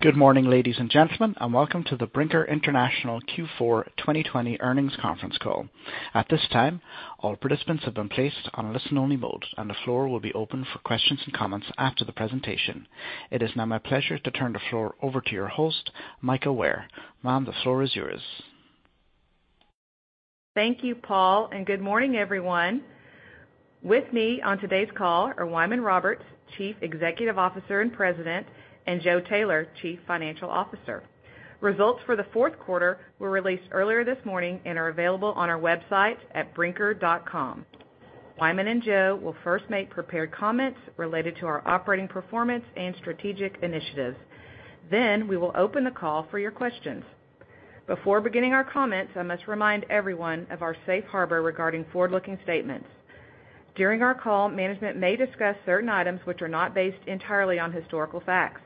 Good morning, ladies and gentlemen, and welcome to the Brinker International Q4 2020 earnings conference call. At this time, all participants have been placed on listen-only mode, and the floor will be open for questions and comments after the presentation. It is now my pleasure to turn the floor over to your host, Mika Ware. Ma'am, the floor is yours. Thank you, Paul, and good morning, everyone. With me on today's call are Wyman Roberts, Chief Executive Officer and President, and Joe Taylor, Chief Financial Officer. Results for the fourth quarter were released earlier this morning and are available on our website at brinker.com. Wyman and Joe will first make prepared comments related to our operating performance and strategic initiatives. We will open the call for your questions. Before beginning our comments, I must remind everyone of our safe harbor regarding forward-looking statements. During our call, management may discuss certain items which are not based entirely on historical facts.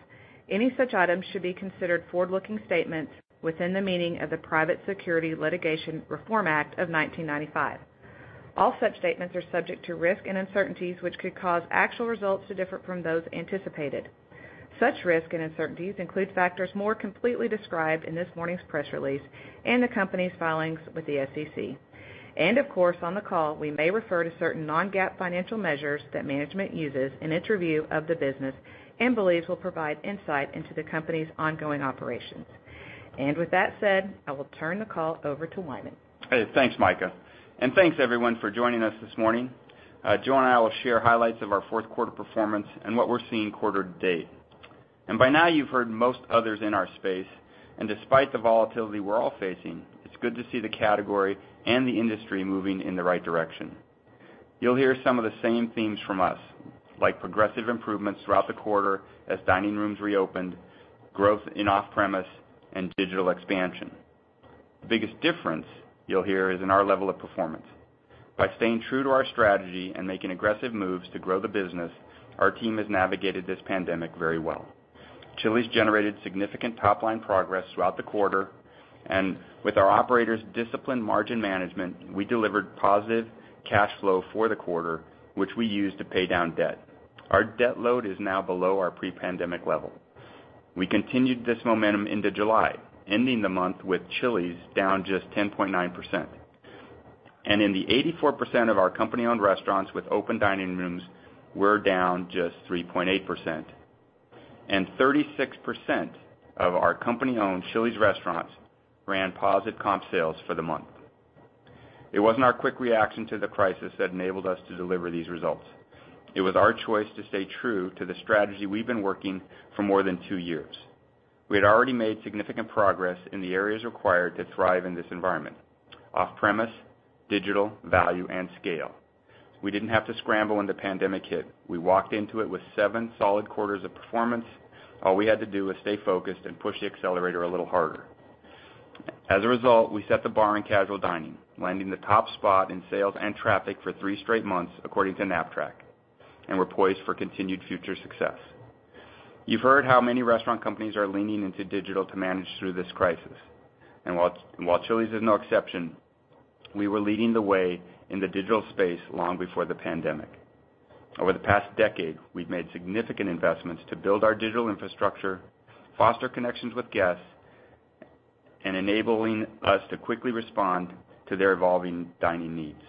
Any such items should be considered forward-looking statements within the meaning of the Private Securities Litigation Reform Act of 1995. All such statements are subject to risk and uncertainties, which could cause actual results to differ from those anticipated. Such risk and uncertainties include factors more completely described in this morning's press release and the company's filings with the SEC. Of course, on the call, we may refer to certain non-GAAP financial measures that management uses in its review of the business and believes will provide insight into the company's ongoing operations. With that said, I will turn the call over to Wyman. Hey, thanks, Mika. Thanks, everyone, for joining us this morning. Joe and I will share highlights of our fourth quarter performance and what we're seeing quarter-to-date. By now you've heard most others in our space, and despite the volatility we're all facing, it's good to see the category and the industry moving in the right direction. You'll hear some of the same themes from us, like progressive improvements throughout the quarter as dining rooms reopened, growth in off-premise, and digital expansion. The biggest difference you'll hear is in our level of performance. By staying true to our strategy and making aggressive moves to grow the business, our team has navigated this pandemic very well. Chili's generated significant top-line progress throughout the quarter, and with our operators' disciplined margin management, we delivered positive cash flow for the quarter, which we used to pay down debt. Our debt load is now below our pre-pandemic level. We continued this momentum into July, ending the month with Chili's down just 10.9%. In the 84% of our company-owned restaurants with open dining rooms, we're down just 3.8% and 36% of our company-owned Chili's restaurants ran positive comp sales for the month. It wasn't our quick reaction to the crisis that enabled us to deliver these results. It was our choice to stay true to the strategy we've been working for more than two years. We had already made significant progress in the areas required to thrive in this environment: off-premise, digital, value, and scale. We didn't have to scramble when the pandemic hit. We walked into it with seven solid quarters of performance. All we had to do was stay focused and push the accelerator a little harder. As a result, we set the bar in casual dining, landing the top spot in sales and traffic for three straight months, according to Knapp-Track. We're poised for continued future success. You've heard how many restaurant companies are leaning into digital to manage through this crisis. While Chili's is no exception, we were leading the way in the digital space long before the pandemic. Over the past decade, we've made significant investments to build our digital infrastructure, foster connections with guests, and enabling us to quickly respond to their evolving dining needs.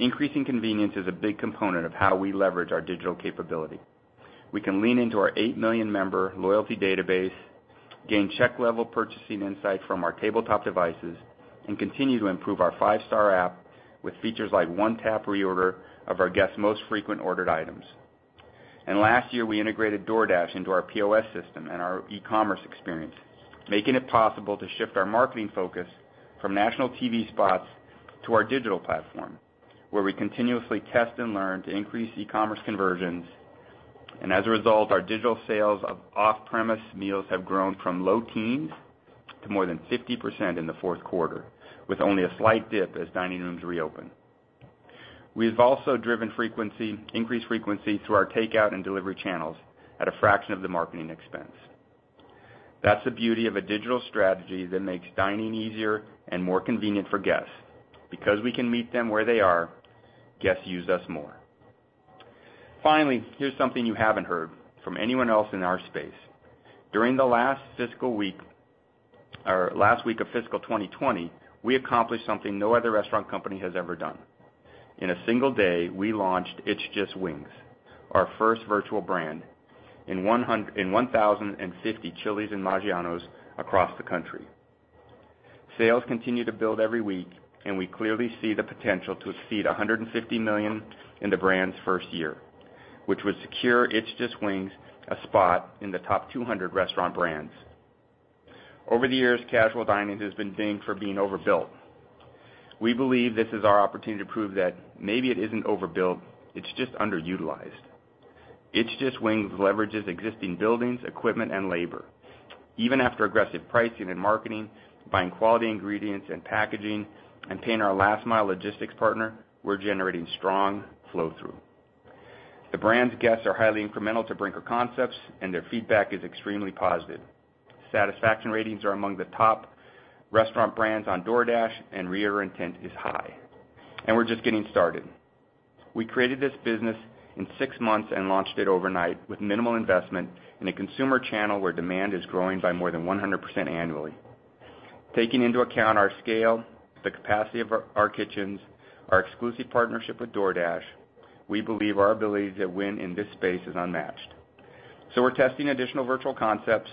Increasing convenience is a big component of how we leverage our digital capability. We can lean into our eight million member loyalty database, gain check-level purchasing insight from our tabletop devices, and continue to improve our five-star app with features like one-tap reorder of our guests' most frequent ordered items. Last year, we integrated DoorDash into our POS system and our e-commerce experience, making it possible to shift our marketing focus from national TV spots to our digital platform, where we continuously test and learn to increase e-commerce conversions. As a result, our digital sales of off-premises meals have grown from low teens to more than 50% in the fourth quarter, with only a slight dip as dining rooms reopen. We've also driven increased frequency through our takeout and delivery channels at a fraction of the marketing expense. That's the beauty of a digital strategy that makes dining easier and more convenient for guests. Because we can meet them where they are, guests use us more. Finally, here's something you haven't heard from anyone else in our space. During the last week of fiscal 2020, we accomplished something no other restaurant company has ever done. In a single day, we launched It's Just Wings, our first virtual brand, in 1,050 Chili's and Maggiano's across the country. Sales continue to build every week, and we clearly see the potential to exceed $150 million in the brand's first year, which would secure It's Just Wings a spot in the top 200 restaurant brands. Over the years, casual dining has been dinged for being overbuilt. We believe this is our opportunity to prove that maybe it isn't overbuilt, it's just underutilized. It's Just Wings leverages existing buildings, equipment, and labor. Even after aggressive pricing and marketing, buying quality ingredients and packaging, and paying our last mile logistics partner, we're generating strong flow-through. The brand's guests are highly incremental to Brinker concepts, and their feedback is extremely positive. Satisfaction ratings are among the top restaurant brands on DoorDash and reorder intent is high. We're just getting started. We created this business in six months and launched it overnight with minimal investment in a consumer channel where demand is growing by more than 100% annually. Taking into account our scale, the capacity of our kitchens, our exclusive partnership with DoorDash, we believe our ability to win in this space is unmatched. We're testing additional virtual concepts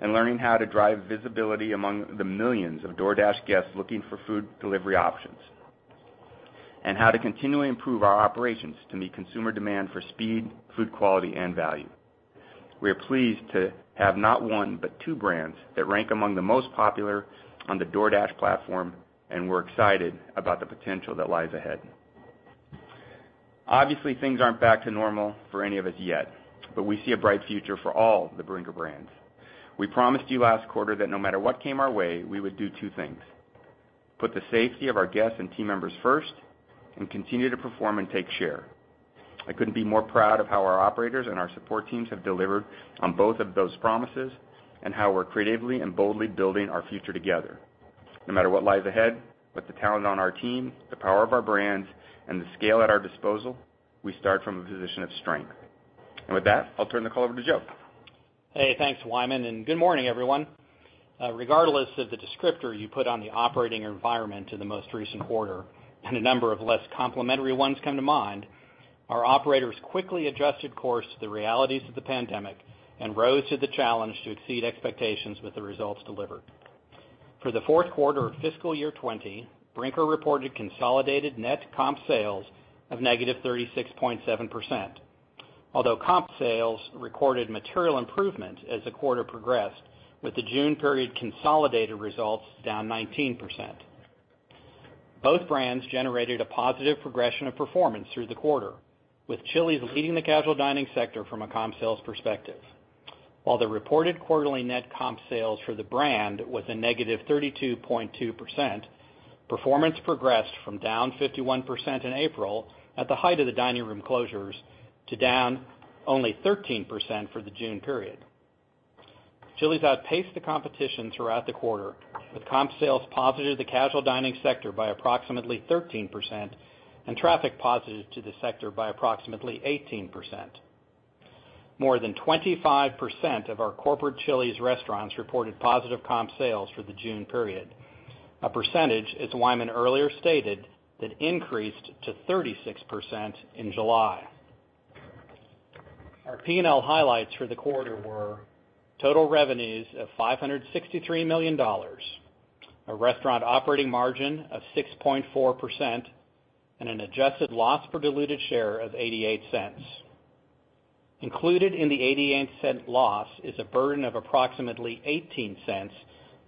and learning how to drive visibility among the millions of DoorDash guests looking for food delivery options, and how to continually improve our operations to meet consumer demand for speed, food quality, and value. We are pleased to have not one, but two brands that rank among the most popular on the DoorDash platform, and we're excited about the potential that lies ahead. Obviously, things aren't back to normal for any of us yet, but we see a bright future for all the Brinker brands. We promised you last quarter that no matter what came our way, we would do two things, put the safety of our guests and team members first, and continue to perform and take share. I couldn't be more proud of how our operators and our support teams have delivered on both of those promises, and how we're creatively and boldly building our future together. No matter what lies ahead, with the talent on our team, the power of our brands, and the scale at our disposal, we start from a position of strength. With that, I'll turn the call over to Joe. Hey, thanks, Wyman, and good morning, everyone. Regardless of the descriptor you put on the operating environment in the most recent quarter, and a number of less complimentary ones come to mind, our operators quickly adjusted course to the realities of the pandemic and rose to the challenge to exceed expectations with the results delivered. For the fourth quarter of fiscal year 2020, Brinker reported consolidated net comp sales of -36.7%. Although comp sales recorded material improvement as the quarter progressed, with the June period consolidated results down 19%. Both brands generated a positive progression of performance through the quarter, with Chili's leading the casual dining sector from a comp sales perspective. While the reported quarterly net comp sales for the brand was -32.2%, performance progressed from down 51% in April, at the height of the dining room closures, to down only 13% for the June period. Chili's outpaced the competition throughout the quarter, with comp sales positive the casual dining sector by approximately 13% and traffic positive to the sector by approximately 18%. More than 25% of our corporate Chili's restaurants reported positive comp sales for the June period. A percentage, as Wyman earlier stated, that increased to 36% in July. Our P&L highlights for the quarter were total revenues of $563 million, a restaurant operating margin of 6.4%, and an adjusted loss per diluted share of $0.88. Included in the $0.88 loss is a burden of approximately $0.18,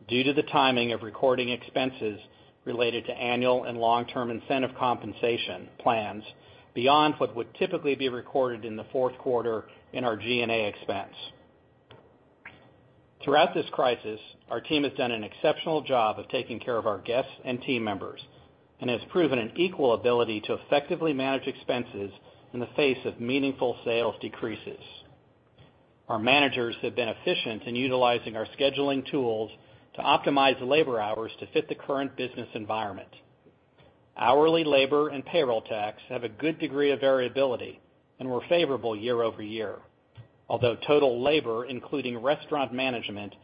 due to the timing of recording expenses related to annual and long-term incentive compensation plans beyond what would typically be recorded in the fourth quarter in our G&A expense. Throughout this crisis, our team has done an exceptional job of taking care of our guests and team members and has proven an equal ability to effectively manage expenses in the face of meaningful sales decreases. Our managers have been efficient in utilizing our scheduling tools to optimize the labor hours to fit the current business environment. Hourly labor and payroll tax have a good degree of variability and were favorable year-over-year. Although total labor, including restaurant management,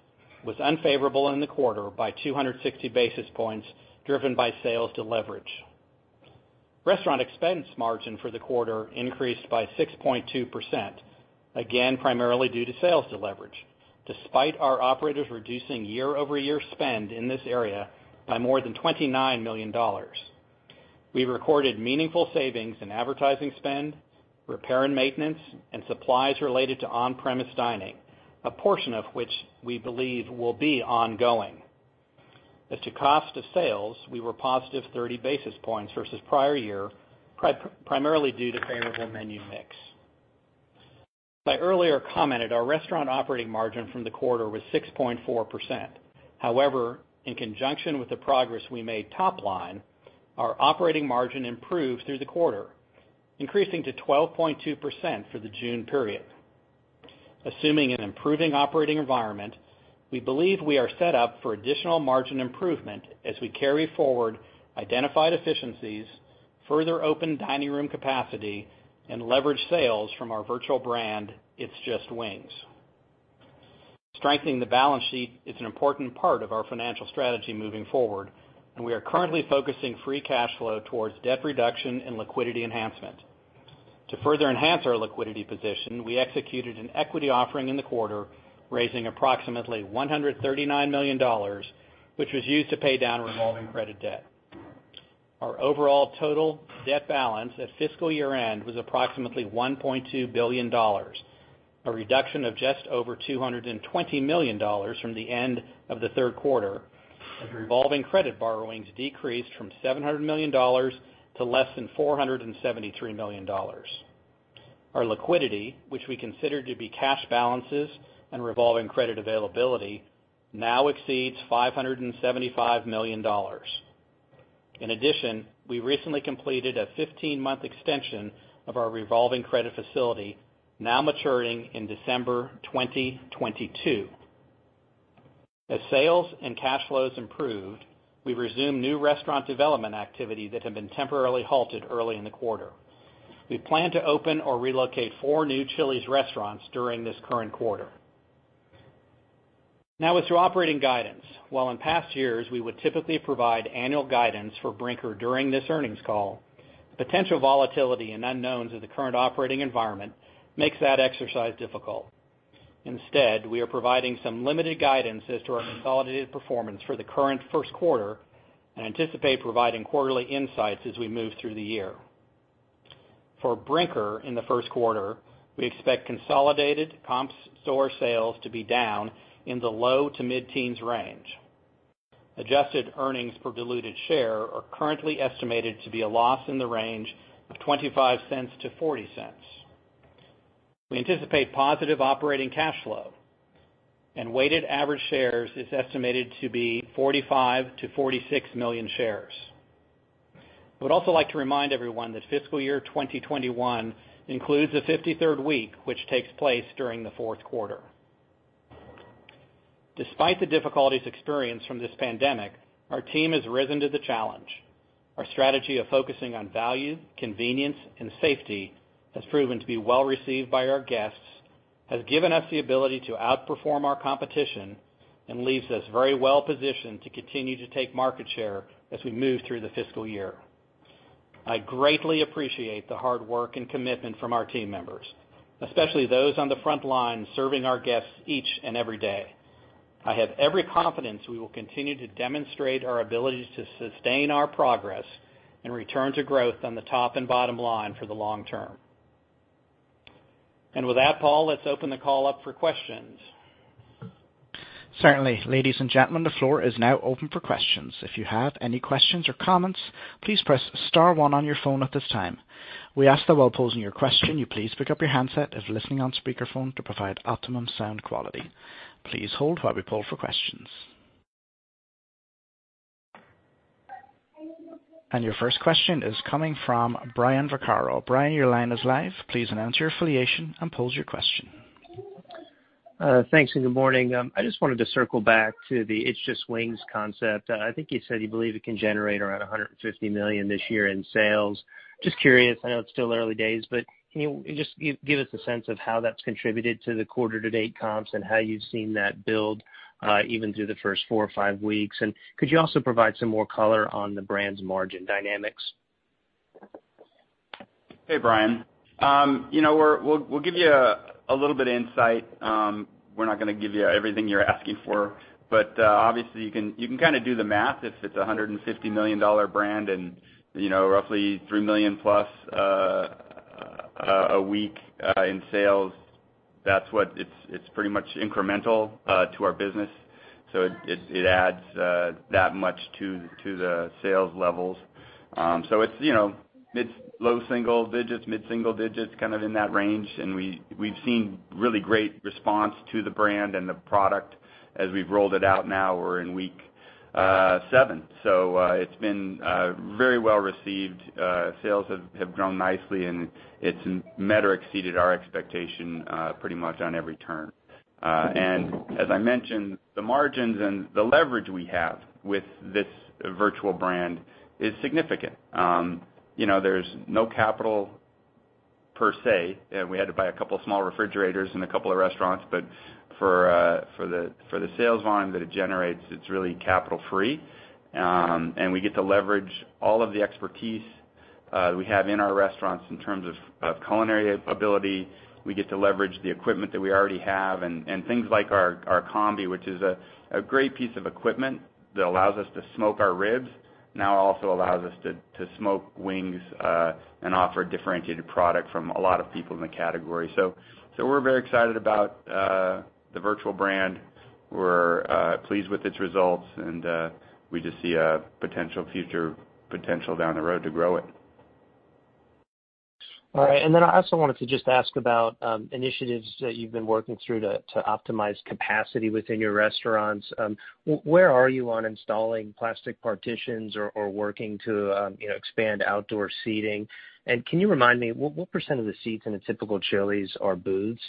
was unfavorable in the quarter by 260 basis points, driven by sales deleverage. Restaurant expense margin for the quarter increased by 6.2%, again, primarily due to sales deleverage, despite our operators reducing year-over-year spend in this area by more than $29 million. We recorded meaningful savings in advertising spend, Repairs and Maintenance, and supplies related to on-premise dining, a portion of which we believe will be ongoing. As to cost of sales, we were positive 30 basis points versus prior year, primarily due to favorable menu mix. As I earlier commented, our restaurant operating margin from the quarter was 6.4%. However, in conjunction with the progress we made top line, our operating margin improved through the quarter, increasing to 12.2% for the June period. Assuming an improving operating environment, we believe we are set up for additional margin improvement as we carry forward identified efficiencies, further open dining room capacity, and leverage sales from our virtual brand, It's Just Wings. Strengthening the balance sheet is an important part of our financial strategy moving forward, and we are currently focusing free cash flow towards debt reduction and liquidity enhancement. To further enhance our liquidity position, we executed an equity offering in the quarter, raising approximately $139 million, which was used to pay down revolving credit debt. Our overall total debt balance at fiscal year-end was approximately $1.2 billion, a reduction of just over $220 million from the end of the third quarter, as revolving credit borrowings decreased from $700 million to less than $473 million. Our liquidity, which we consider to be cash balances and revolving credit availability, now exceeds $575 million. In addition, we recently completed a 15-month extension of our revolving credit facility, now maturing in December 2022. As sales and cash flows improved, we resumed new restaurant development activity that had been temporarily halted early in the quarter. We plan to open or relocate four new Chili's restaurants during this current quarter. Now with our operating guidance. While in past years, we would typically provide annual guidance for Brinker during this earnings call, the potential volatility and unknowns of the current operating environment makes that exercise difficult. Instead, we are providing some limited guidance as to our consolidated performance for the current first quarter and anticipate providing quarterly insights as we move through the year. For Brinker in the first quarter, we expect consolidated comps store sales to be down in the low to mid-teens range. Adjusted earnings per diluted share are currently estimated to be a loss in the range of $0.25-$0.40. We anticipate positive operating cash flow and weighted average shares is estimated to be 45 million-46 million shares. We'd also like to remind everyone that fiscal year 2021 includes a 53rd week, which takes place during the fourth quarter. Despite the difficulties experienced from this pandemic, our team has risen to the challenge. Our strategy of focusing on value, convenience, and safety has proven to be well-received by our guests, has given us the ability to outperform our competition, and leaves us very well positioned to continue to take market share as we move through the fiscal year. I greatly appreciate the hard work and commitment from our team members, especially those on the front lines serving our guests each and every day. I have every confidence we will continue to demonstrate our ability to sustain our progress and return to growth on the top and bottom line for the long term. With that, Paul, let's open the call up for questions. Certainly. Ladies and gentlemen, the floor is now open for questions. If you have any questions or comments, please press star one on your phone at this time. We ask that while posing your question, you please pick up your handset if listening on speakerphone to provide optimum sound quality. Please hold while we poll for questions. Your first question is coming from Brian Vaccaro. Brian, your line is live. Please announce your affiliation and pose your question. Thanks, good morning. I just wanted to circle back to the It's Just Wings concept. I think you said you believe it can generate around $150 million this year in sales. Just curious, I know it's still early days, but can you just give us a sense of how that's contributed to the quarter-to-date comps and how you've seen that build even through the first four or five weeks? Could you also provide some more color on the brand's margin dynamics? Hey, Brian. We'll give you a little bit of insight. We're not gonna give you everything you're asking for, but obviously you can kind of do the math. If it's a $150 million brand and roughly $3 million+ a week in sales, it's pretty much incremental to our business. It adds that much to the sales levels. It's low single digits, mid-single digits, kind of in that range. We've seen really great response to the brand and the product as we've rolled it out. Now we're in week seven. It's been very well received. Sales have grown nicely. It's met or exceeded our expectation pretty much on every turn. As I mentioned, the margins and the leverage we have with this virtual brand is significant. There's no capital per se. We had to buy a couple small refrigerators in a couple of restaurants, but for the sales volume that it generates, it's really capital free. We get to leverage all of the expertise we have in our restaurants in terms of culinary ability. We get to leverage the equipment that we already have and things like our Combi, which is a great piece of equipment that allows us to smoke our ribs, now also allows us to smoke wings and offer a differentiated product from a lot of people in the category. We're very excited about the virtual brand. We're pleased with its results, and we just see a potential future potential down the road to grow it. All right, I also wanted to just ask about initiatives that you've been working through to optimize capacity within your restaurants. Where are you on installing plastic partitions or working to expand outdoor seating? Can you remind me, what percent of the seats in a typical Chili's are booths?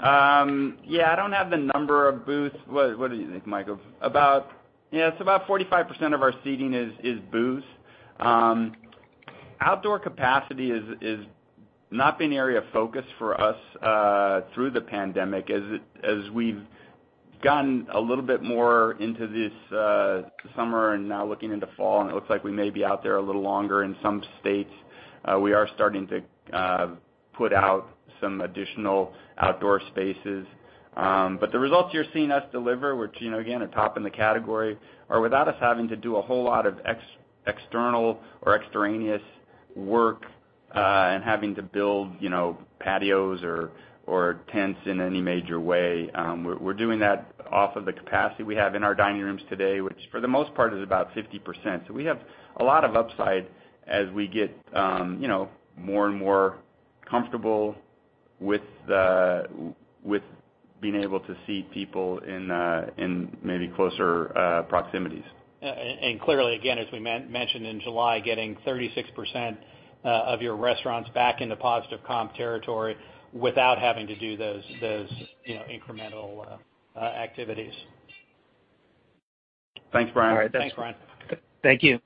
Yeah, I don't have the number of booths. What do you think, [Michael]? Yeah, it's about 45% of our seating is booths. Outdoor capacity has not been an area of focus for us through the pandemic. We've gotten a little bit more into this summer and now looking into fall, it looks like we may be out there a little longer in some states, we are starting to put out some additional outdoor spaces. The results you're seeing us deliver, which again, are top in the category, are without us having to do a whole lot of external or extraneous work and having to build patios or tents in any major way. We're doing that off of the capacity we have in our dining rooms today, which for the most part is about 50%. We have a lot of upside as we get more and more comfortable with being able to seat people in maybe closer proximities. Clearly, again, as we mentioned in July, getting 36% of your restaurants back into positive comp territory without having to do those incremental activities. Thanks, Brian. All right. Thanks, Brian. Thank you.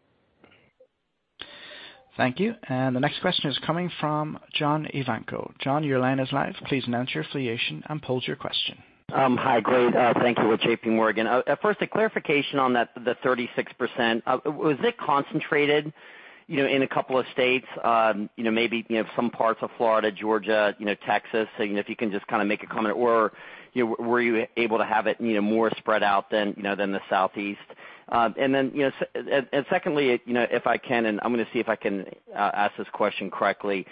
Thank you. The next question is coming from John Ivankoe. John, your line is live. Please announce your affiliation and pose your question. Hi. Great. Thank you. With JPMorgan. First, a clarification on the 36%. Was it concentrated in a couple of states, maybe some parts of Florida, Georgia, Texas? If you can just make a comment. Or were you able to have it more spread out than the Southeast? Secondly, if I can, and I'm going to see if I can ask this question correctly.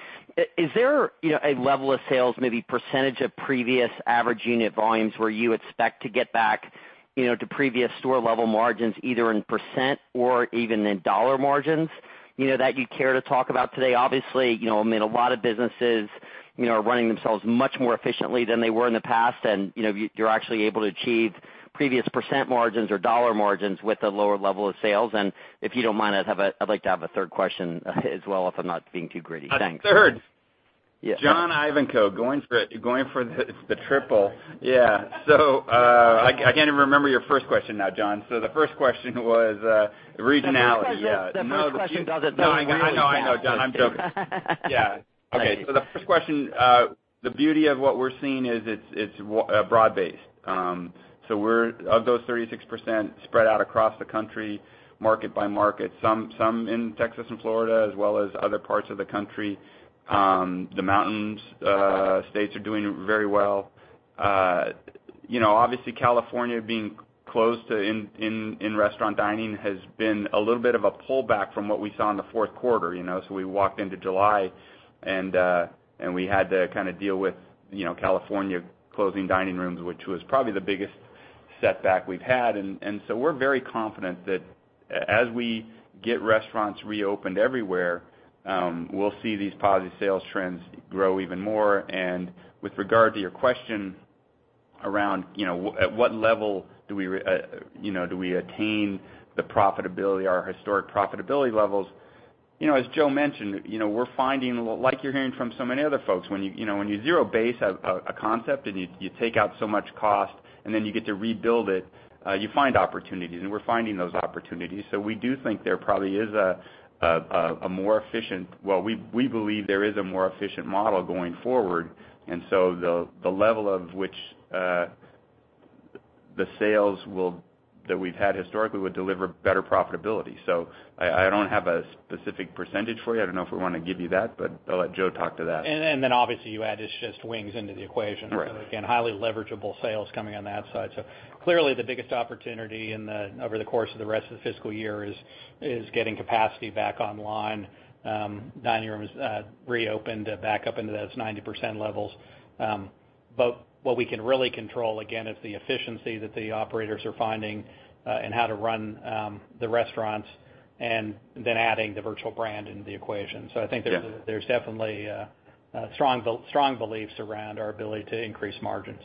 Is there a level of sales, maybe percentage of previous average unit volumes, where you expect to get back to previous store level margins, either in percent or even in dollar margins, that you'd care to talk about today? Obviously, a lot of businesses are running themselves much more efficiently than they were in the past, and you're actually able to achieve previous percent margins or dollar margins with a lower level of sales. If you don't mind, I'd like to have a third question as well, if I'm not being too greedy. Thanks. A third. Yeah. John Ivankoe going for the triple. Yeah. I can't even remember your first question now, John. The first question was regionality. Yeah. The first question. No, I know. I know, John. I'm joking. Yeah. Okay. The first question, the beauty of what we're seeing is it's broad based. We're, of those 36%, spread out across the country, market by market. Some in Texas and Florida, as well as other parts of the country. The mountain states are doing very well. Obviously, California being closed to in-restaurant dining has been a little bit of a pullback from what we saw in the fourth quarter. We walked into July, and we had to deal with California closing dining rooms, which was probably the biggest setback we've had. We're very confident that as we get restaurants reopened everywhere, we'll see these positive sales trends grow even more. With regard to your question around at what level do we attain the profitability, our historic profitability levels? As Joe mentioned, we're finding, like you're hearing from so many other folks, when you zero base a concept, and you take out so much cost, and then you get to rebuild it, you find opportunities. We're finding those opportunities. We do think there probably is a more efficient, well, we believe there is a more efficient model going forward. The level of which the sales that we've had historically would deliver better profitability. I don't have a specific percentage for you. I don't know if we want to give you that, but I'll let Joe talk to that. Obviously you add It's Just Wings into the equation. Right. Again, highly leverageable sales coming on that side. Clearly the biggest opportunity over the course of the rest of the fiscal year is getting capacity back online. Dining rooms reopened back up into those 90% levels. What we can really control again is the efficiency that the operators are finding in how to run the restaurants and then adding the virtual brand into the equation. I think there's definitely strong beliefs around our ability to increase margins.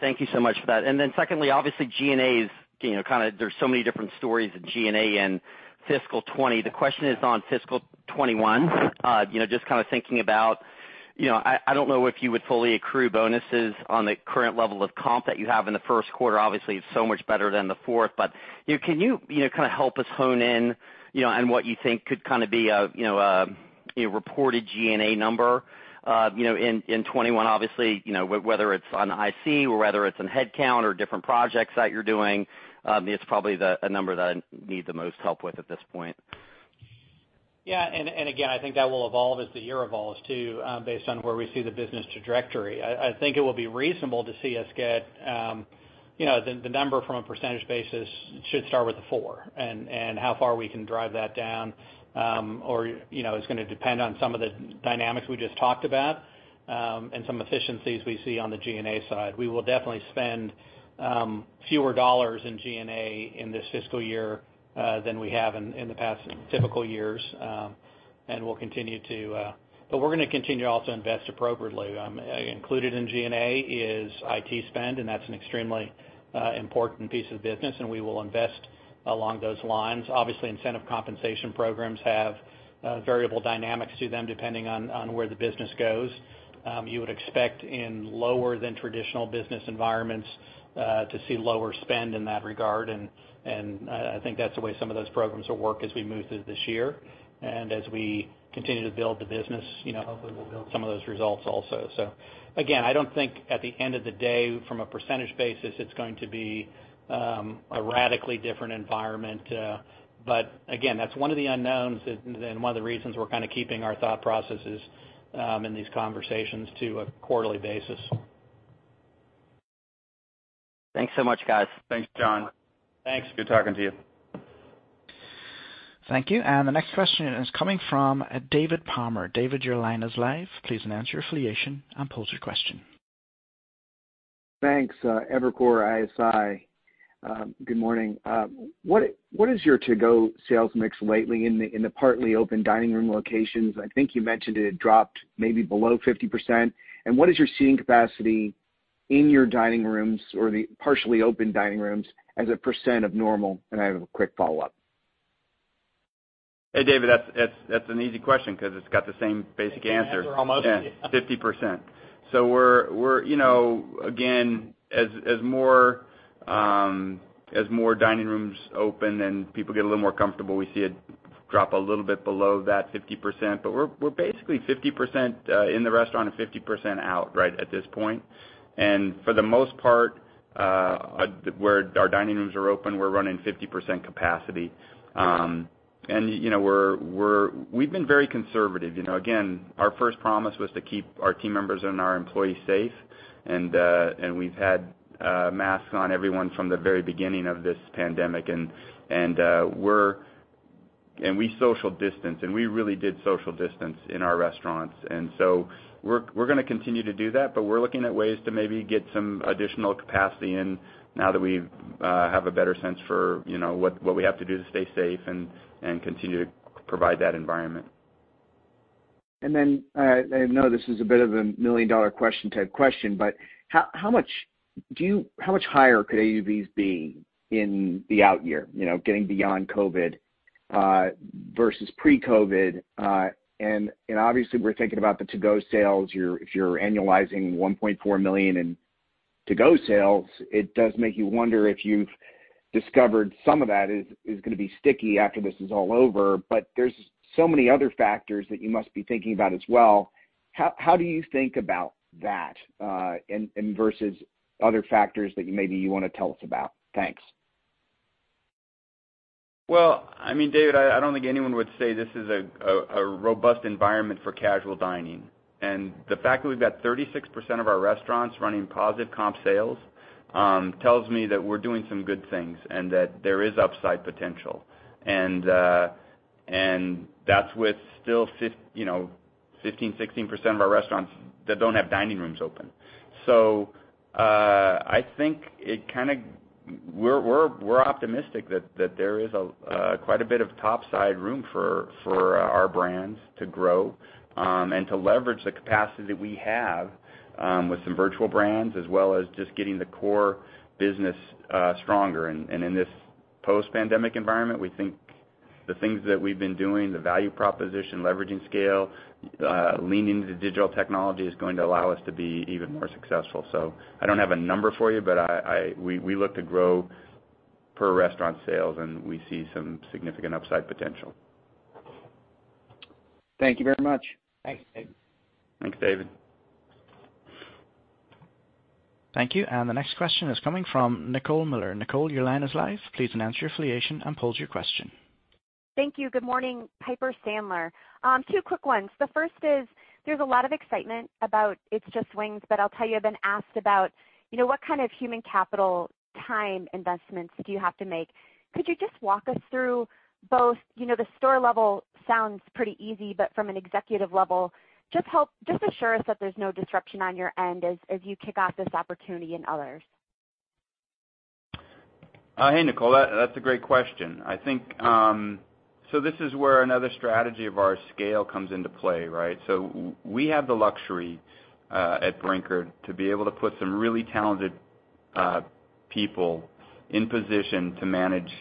Thank you so much for that. Secondly, obviously G&A is, there's so many different stories in G&A in fiscal 2020. The question is on fiscal 2021. Just thinking about, I don't know if you would fully accrue bonuses on the current level of comp that you have in the first quarter. Obviously, it's so much better than the fourth, can you help us hone in on what you think could be a reported G&A number in 2021? Obviously, whether it's on IC or whether it's on headcount or different projects that you're doing it's probably the number that I need the most help with at this point. Yeah. Again, I think that will evolve as the year evolves too based on where we see the business trajectory. I think it will be reasonable to see us get the number from a percentage basis should start with a four, and how far we can drive that down is going to depend on some of the dynamics we just talked about and some efficiencies we see on the G&A side. We will definitely spend fewer dollars in G&A in this fiscal year than we have in the past typical years. We're going to continue also to invest appropriately. Included in G&A is IT spend. That's an extremely important piece of the business. We will invest along those lines. Obviously, incentive compensation programs have variable dynamics to them depending on where the business goes. You would expect in lower than traditional business environments to see lower spend in that regard. I think that's the way some of those programs will work as we move through this year. As we continue to build the business, hopefully we'll build some of those results also. Again, I don't think at the end of the day, from a percentage basis, it's going to be a radically different environment. Again, that's one of the unknowns and one of the reasons we're keeping our thought processes in these conversations to a quarterly basis. Thanks so much, guys. Thanks, John. Thanks. Good talking to you. Thank you. The next question is coming from David Palmer. David, your line is live. Please announce your affiliation and pose your question. Thanks. Evercore ISI. Good morning. What is your to-go sales mix lately in the partly open dining room locations? I think you mentioned it dropped maybe below 50%. What is your seating capacity in your dining rooms or the partially open dining rooms as a percent of normal? I have a quick follow-up. Hey, David, that's an easy question because it's got the same basic answer. Same answer almost. Yeah, 50%. We're, again, as more dining rooms open and people get a little more comfortable, we see it drop a little bit below that 50%, but we're basically 50% in the restaurant and 50% out, right at this point. For the most part, where our dining rooms are open, we're running 50% capacity. We've been very conservative. Again, our first promise was to keep our team members and our employees safe, and we've had masks on everyone from the very beginning of this pandemic, and we social distance, and we really did social distance in our restaurants. We're going to continue to do that, but we're looking at ways to maybe get some additional capacity in now that we have a better sense for what we have to do to stay safe and continue to provide that environment. I know this is a bit of a million-dollar question type question, but how much higher could AUVs be in the out year, getting beyond COVID, versus pre-COVID? Obviously, we're thinking about the to-go sales. If you're annualizing $1.4 million in to-go sales, it does make you wonder if you've discovered some of that is going to be sticky after this is all over. There's so many other factors that you must be thinking about as well. How do you think about that, and versus other factors that maybe you want to tell us about? Thanks. Well, David, I don't think anyone would say this is a robust environment for casual dining. The fact that we've got 36% of our restaurants running positive comp sales tells me that we're doing some good things and that there is upside potential. That's with still 15%, 16% of our restaurants that don't have dining rooms open. I think we're optimistic that there is quite a bit of top side room for our brands to grow and to leverage the capacity that we have with some virtual brands, as well as just getting the core business stronger. In this post-pandemic environment, we think the things that we've been doing, the value proposition, leveraging scale, leaning into digital technology, is going to allow us to be even more successful. I don't have a number for you, but we look to grow per restaurant sales, and we see some significant upside potential. Thank you very much. Thanks, David. Thanks, David. Thank you. The next question is coming from Nicole Miller. Nicole, your line is live. Please announce your affiliation and pose your question. Thank you. Good morning, Piper Sandler. Two quick ones. The first is, there's a lot of excitement about It's Just Wings, but I'll tell you I've been asked about what kind of human capital time investments do you have to make? Could you just walk us through both? The store level sounds pretty easy, but from an executive level, just assure us that there's no disruption on your end as you kick off this opportunity and others. Hey, Nicole. That's a great question. This is where another strategy of our scale comes into play, right? We have the luxury at Brinker to be able to put some really talented people in position to manage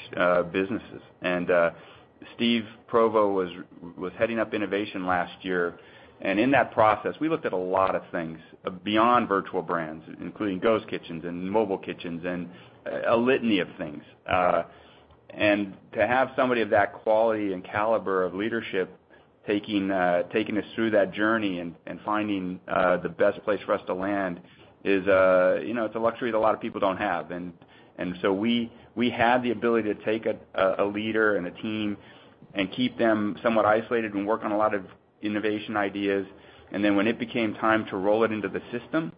businesses. Steve Provost was heading up innovation last year. In that process, we looked at a lot of things beyond virtual brands, including ghost kitchens and mobile kitchens and a litany of things. To have somebody of that quality and caliber of leadership taking us through that journey and finding the best place for us to land is a luxury that a lot of people don't have. We had the ability to take a leader and a team and keep them somewhat isolated and work on a lot of innovation ideas, and then when it became time to roll it into the system,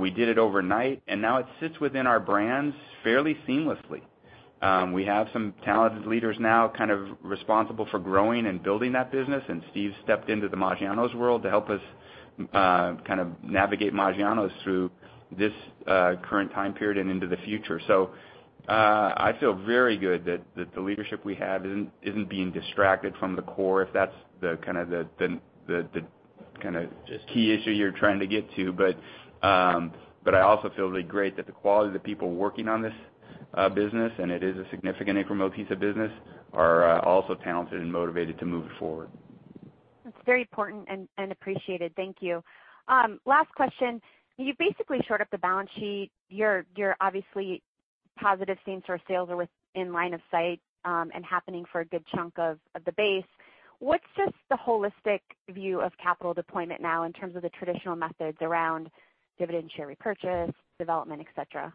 we did it overnight, and now it sits within our brands fairly seamlessly. We have some talented leaders now kind of responsible for growing and building that business, and Steve stepped into the Maggiano's world to help us kind of navigate Maggiano's through this current time period and into the future. I feel very good that the leadership we have isn't being distracted from the core, if that's the kind of the key issue you're trying to get to. I also feel really great that the quality of the people working on this business, and it is a significant and remote piece of business, are also talented and motivated to move it forward. That's very important and appreciated. Thank you. Last question. You basically shored up the balance sheet. You're obviously positive same-store sales are within line of sight and happening for a good chunk of the base. What's just the holistic view of capital deployment now in terms of the traditional methods around dividend share repurchase, development, et cetera?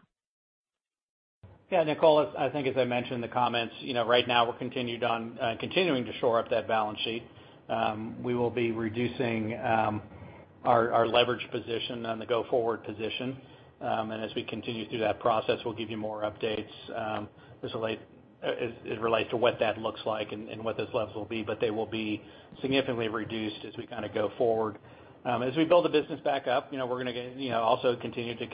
Nicole, I think as I mentioned in the comments, right now we're continuing to shore up that balance sheet. We will be reducing our leverage position on the go-forward position. As we continue through that process, we'll give you more updates as it relates to what that looks like and what those levels will be, but they will be significantly reduced as we go forward. As we build the business back up, we're going to also continue to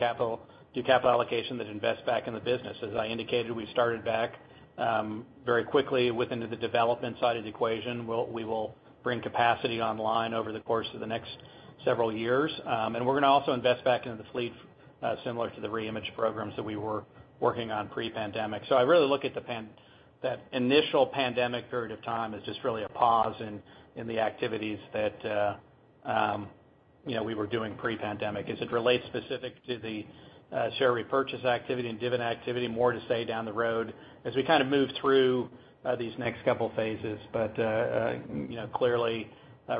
do capital allocation that invests back in the business. As I indicated, we started back very quickly within the development side of the equation. We will bring capacity online over the course of the next several years. We're going to also invest back into the fleet. Similar to the reimage programs that we were working on pre-pandemic. I really look at that initial pandemic period of time as just really a pause in the activities that we were doing pre-pandemic. As it relates specific to the share repurchase activity and dividend activity, more to say down the road as we move through these next couple phases. Clearly,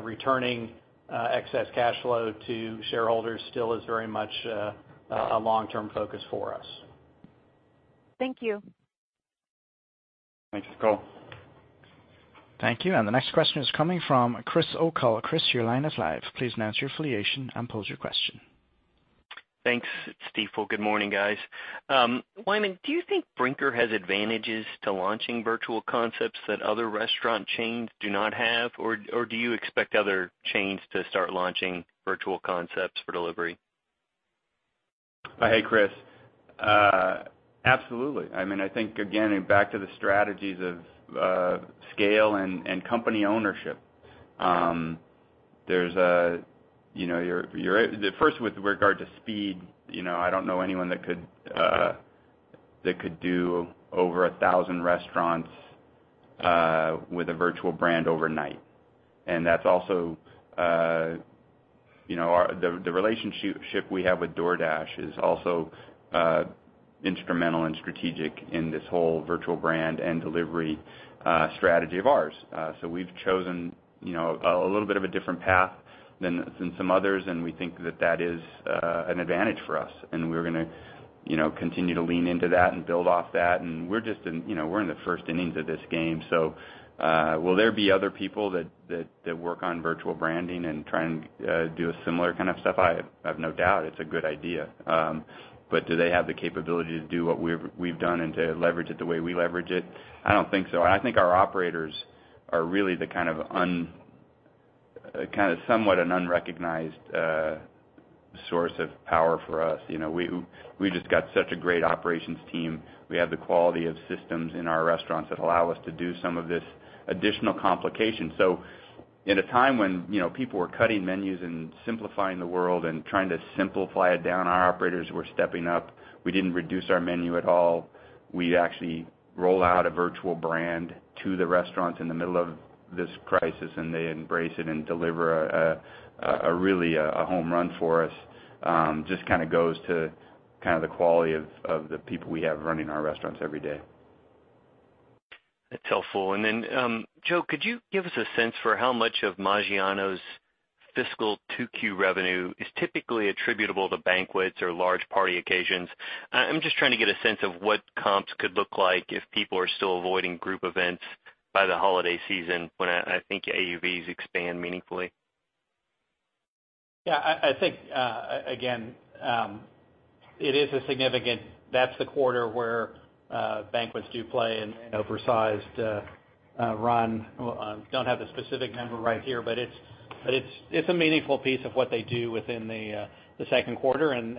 returning excess cash flow to shareholders still is very much a long-term focus for us. Thank you. Thanks, Nicole. Thank you. The next question is coming from Chris O'Cull. Chris, your line is live. Please announce your affiliation and pose your question. Thanks. It's Stifel. Well, good morning, guys. Wyman, do you think Brinker has advantages to launching virtual concepts that other restaurant chains do not have? Do you expect other chains to start launching virtual concepts for delivery? Hey, Chris. Absolutely. I think, again, back to the strategies of scale and company ownership. First, with regard to speed, I don't know anyone that could do over 1,000 restaurants with a virtual brand overnight. The relationship we have with DoorDash is also instrumental and strategic in this whole virtual brand and delivery strategy of ours. We've chosen a little bit of a different path than some others, and we think that that is an advantage for us. We're going to continue to lean into that and build off that. We're in the first innings of this game. Will there be other people that work on virtual branding and try and do a similar kind of stuff? I have no doubt. It's a good idea. Do they have the capability to do what we've done and to leverage it the way we leverage it? I don't think so. I think our operators are really somewhat an unrecognized source of power for us. We just got such a great operations team. We have the quality of systems in our restaurants that allow us to do some of this additional complication. In a time when people were cutting menus and simplifying the world and trying to simplify it down, our operators were stepping up. We didn't reduce our menu at all. We actually roll out a virtual brand to the restaurants in the middle of this crisis, and they embrace it and deliver really a home run for us. Just goes to the quality of the people we have running our restaurants every day. That's helpful. Joe, could you give us a sense for how much of Maggiano's fiscal 2Q revenue is typically attributable to banquets or large party occasions? I'm just trying to get a sense of what comps could look like if people are still avoiding group events by the holiday season, when I think AUVs expand meaningfully? Yeah, I think, again, it is significant. That's the quarter where banquets do play an oversized run. Don't have the specific number right here, but it's a meaningful piece of what they do within the second quarter, and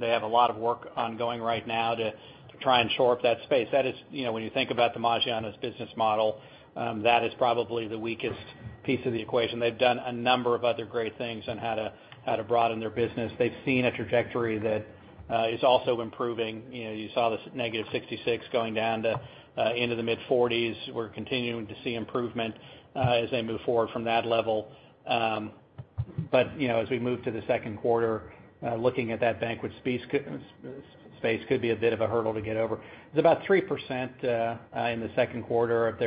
they have a lot of work ongoing right now to try and shore up that space. When you think about the Maggiano's business model, that is probably the weakest piece of the equation. They've done a number of other great things on how to broaden their business. They've seen a trajectory that is also improving. You saw this -66 going down to into the mid-40s. We're continuing to see improvement as they move forward from that level. As we move to the second quarter, looking at that banquet space could be a bit of a hurdle to get over. It's about 3% in the second quarter of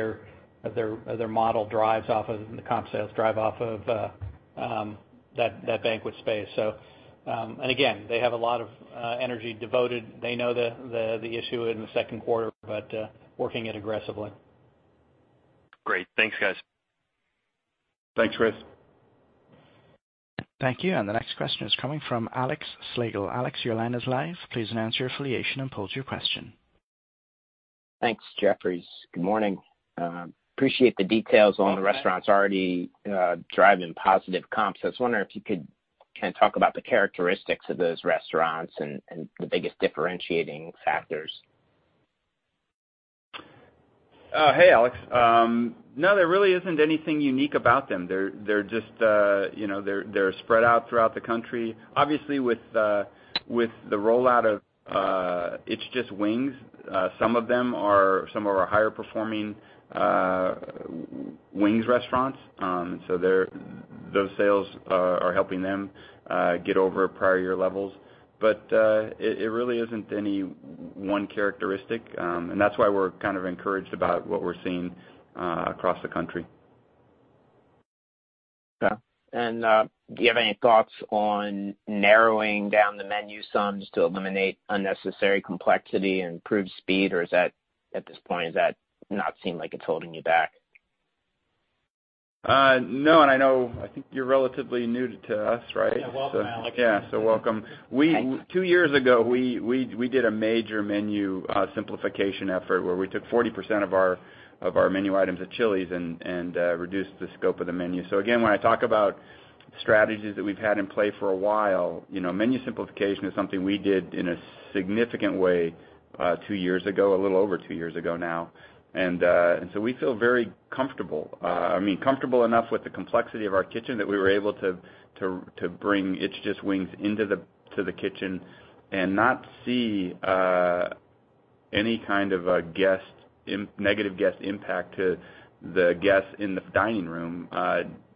their model drives off of the comp sales, drive off of that banquet space. Again, they have a lot of energy devoted. They know the issue in the second quarter but working it aggressively. Great. Thanks, guys. Thanks, Chris. Thank you. The next question is coming from Alex Slagle. Alex, your line is live. Please announce your affiliation and pose your question. Thanks, Jefferies. Good morning. Appreciate the details on the restaurants already driving positive comps. I was wondering if you could talk about the characteristics of those restaurants and the biggest differentiating factors. Hey, Alex. No, there really isn't anything unique about them. They're spread out throughout the country. Obviously, with the rollout of It's Just Wings, some of them are some of our higher performing wings restaurants. Those sales are helping them get over prior year levels. It really isn't any one characteristic, and that's why we're encouraged about what we're seeing across the country. Okay. Do you have any thoughts on narrowing down the menu some just to eliminate unnecessary complexity and improve speed, or at this point, does that not seem like it is holding you back? No. I know, I think you're relatively new to us, right? Yeah. Welcome, Alex. Yeah. Welcome. Thanks. Two years ago, we did a major menu simplification effort where we took 40% of our menu items at Chili's and reduced the scope of the menu. Again, when I talk about strategies that we've had in play for a while, menu simplification is something we did in a significant way two years ago, a little over two years ago now. We feel very comfortable. Comfortable enough with the complexity of our kitchen that we were able to bring It's Just Wings into the kitchen and not see any kind of a negative guest impact to the guests in the dining room,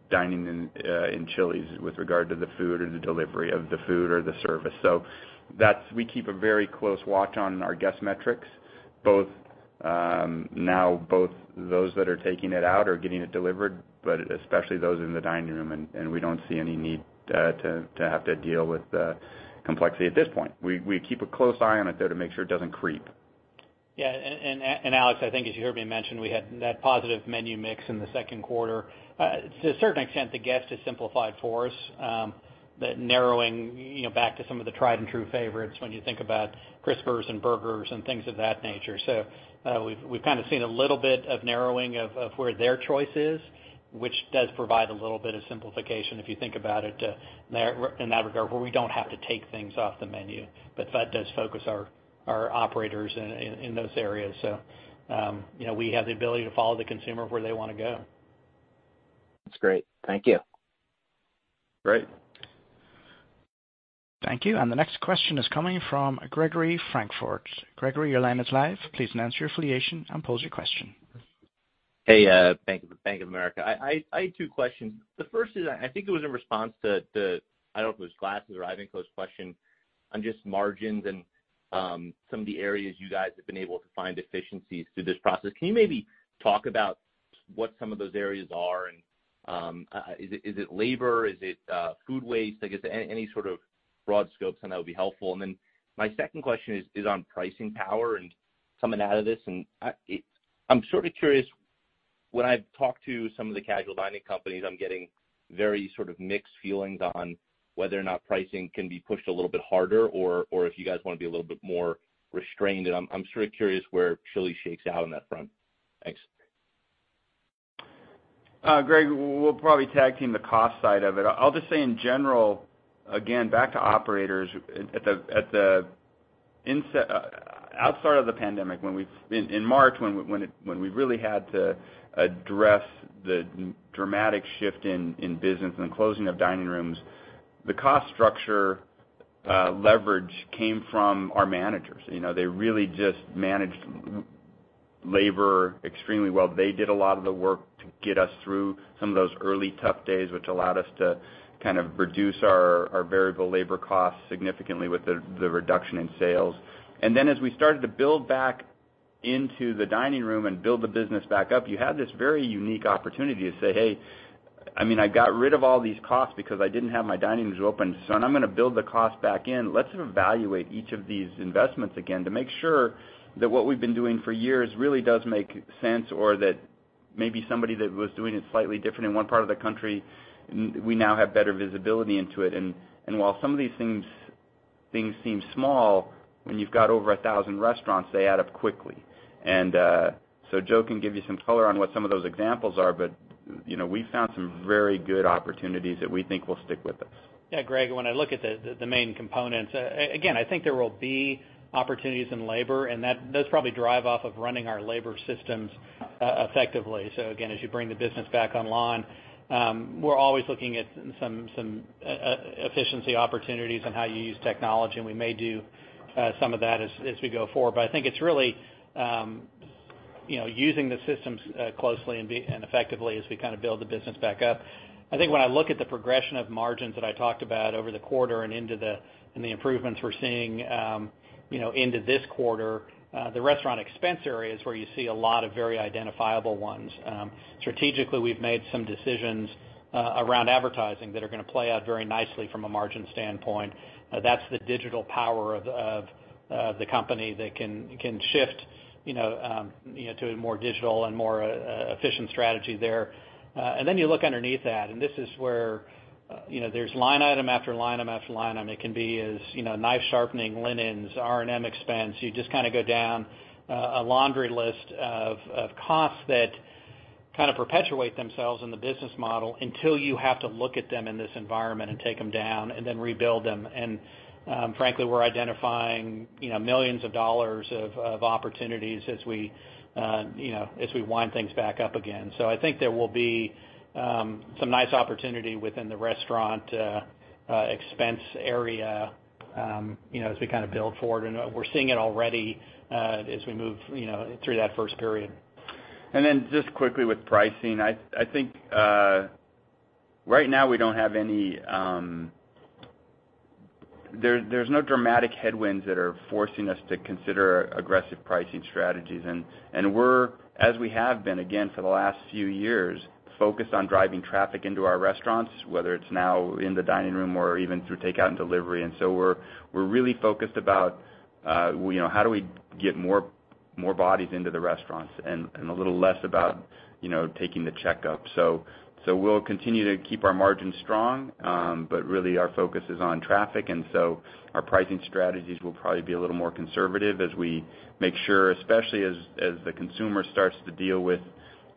dining in Chili's with regard to the food or the delivery of the food or the service. We keep a very close watch on our guest metrics, now both those that are taking it out or getting it delivered, but especially those in the dining room. We don't see any need to have to deal with the complexity at this point. We keep a close eye on it though, to make sure it doesn't creep. Alex, I think as you heard me mention, we had that positive menu mix in the second quarter. To a certain extent, the guest has simplified for us, that narrowing back to some of the tried-and-true favorites when you think about Crispers and burgers and things of that nature. We've kind of seen a little bit of narrowing of where their choice is, which does provide a little bit of simplification, if you think about it in that regard, where we don't have to take things off the menu. That does focus our operators in those areas. We have the ability to follow the consumer where they want to go. That's great. Thank you. Great. Thank you. The next question is coming from Gregory Francfort. Gregory, your line is live. Please announce your affiliation and pose your question. Hey, Bank of America. I had two questions. The first is, I think it was in response to, I don't know if it was Glass's or Ivankoe's question on just margins and some of the areas you guys have been able to find efficiencies through this process. Can you maybe talk about what some of those areas are and, is it labor? Is it food waste? I guess any sort of broad scope on that would be helpful. My second question is on pricing power and coming out of this, and I'm sort of curious, when I've talked to some of the casual dining companies, I'm getting very sort of mixed feelings on whether or not pricing can be pushed a little bit harder, or if you guys want to be a little bit more restrained. I'm sort of curious where Chili's shakes out on that front? Thanks. Greg, we'll probably tag team the cost side of it. I'll just say in general, again, back to operators at the outset of the pandemic, in March when we really had to address the dramatic shift in business and the closing of dining rooms, the cost structure leverage came from our managers. They really just managed labor extremely well. They did a lot of the work to get us through some of those early tough days, which allowed us to kind of reduce our variable labor costs significantly with the reduction in sales. Then as we started to build back into the dining room and build the business back up, you had this very unique opportunity to say, "Hey, I mean, I got rid of all these costs because I didn't have my dining rooms open. Now I'm going to build the cost back in. Let's evaluate each of these investments again to make sure that what we've been doing for years really does make sense, or that maybe somebody that was doing it slightly different in one part of the country, we now have better visibility into it. While some of these things seem small, when you've got over 1,000 restaurants, they add up quickly. Joe can give you some color on what some of those examples are, but we've found some very good opportunities that we think will stick with us. Yeah, Greg, when I look at the main components, again, I think there will be opportunities in labor, and those probably drive off of running our labor systems effectively. Again, as you bring the business back online, we're always looking at some efficiency opportunities on how you use technology, and we may do some of that as we go forward. I think it's really using the systems closely and effectively as we build the business back up. I think when I look at the progression of margins that I talked about over the quarter and the improvements we're seeing into this quarter, the restaurant expense area is where you see a lot of very identifiable ones. Strategically, we've made some decisions around advertising that are going to play out very nicely from a margin standpoint. That's the digital power of the company that can shift to a more digital and more efficient strategy there. Then you look underneath that, and this is where there's line item after line item after line item. It can be as knife sharpening, linens, R&M expense. You just go down a laundry list of costs that kind of perpetuate themselves in the business model until you have to look at them in this environment and take them down and then rebuild them. Frankly, we're identifying millions of dollars of opportunities as we wind things back up again. I think there will be some nice opportunity within the restaurant expense area as we build forward. We're seeing it already as we move through that first period. Then just quickly with pricing, I think right now there's no dramatic headwinds that are forcing us to consider aggressive pricing strategies. We're, as we have been again for the last few years, focused on driving traffic into our restaurants, whether it's now in the dining room or even through takeout and delivery. We're really focused about how do we get more bodies into the restaurants and a little less about taking the check up. We'll continue to keep our margins strong, but really our focus is on traffic, and so our pricing strategies will probably be a little more conservative as we make sure, especially as the consumer starts to deal with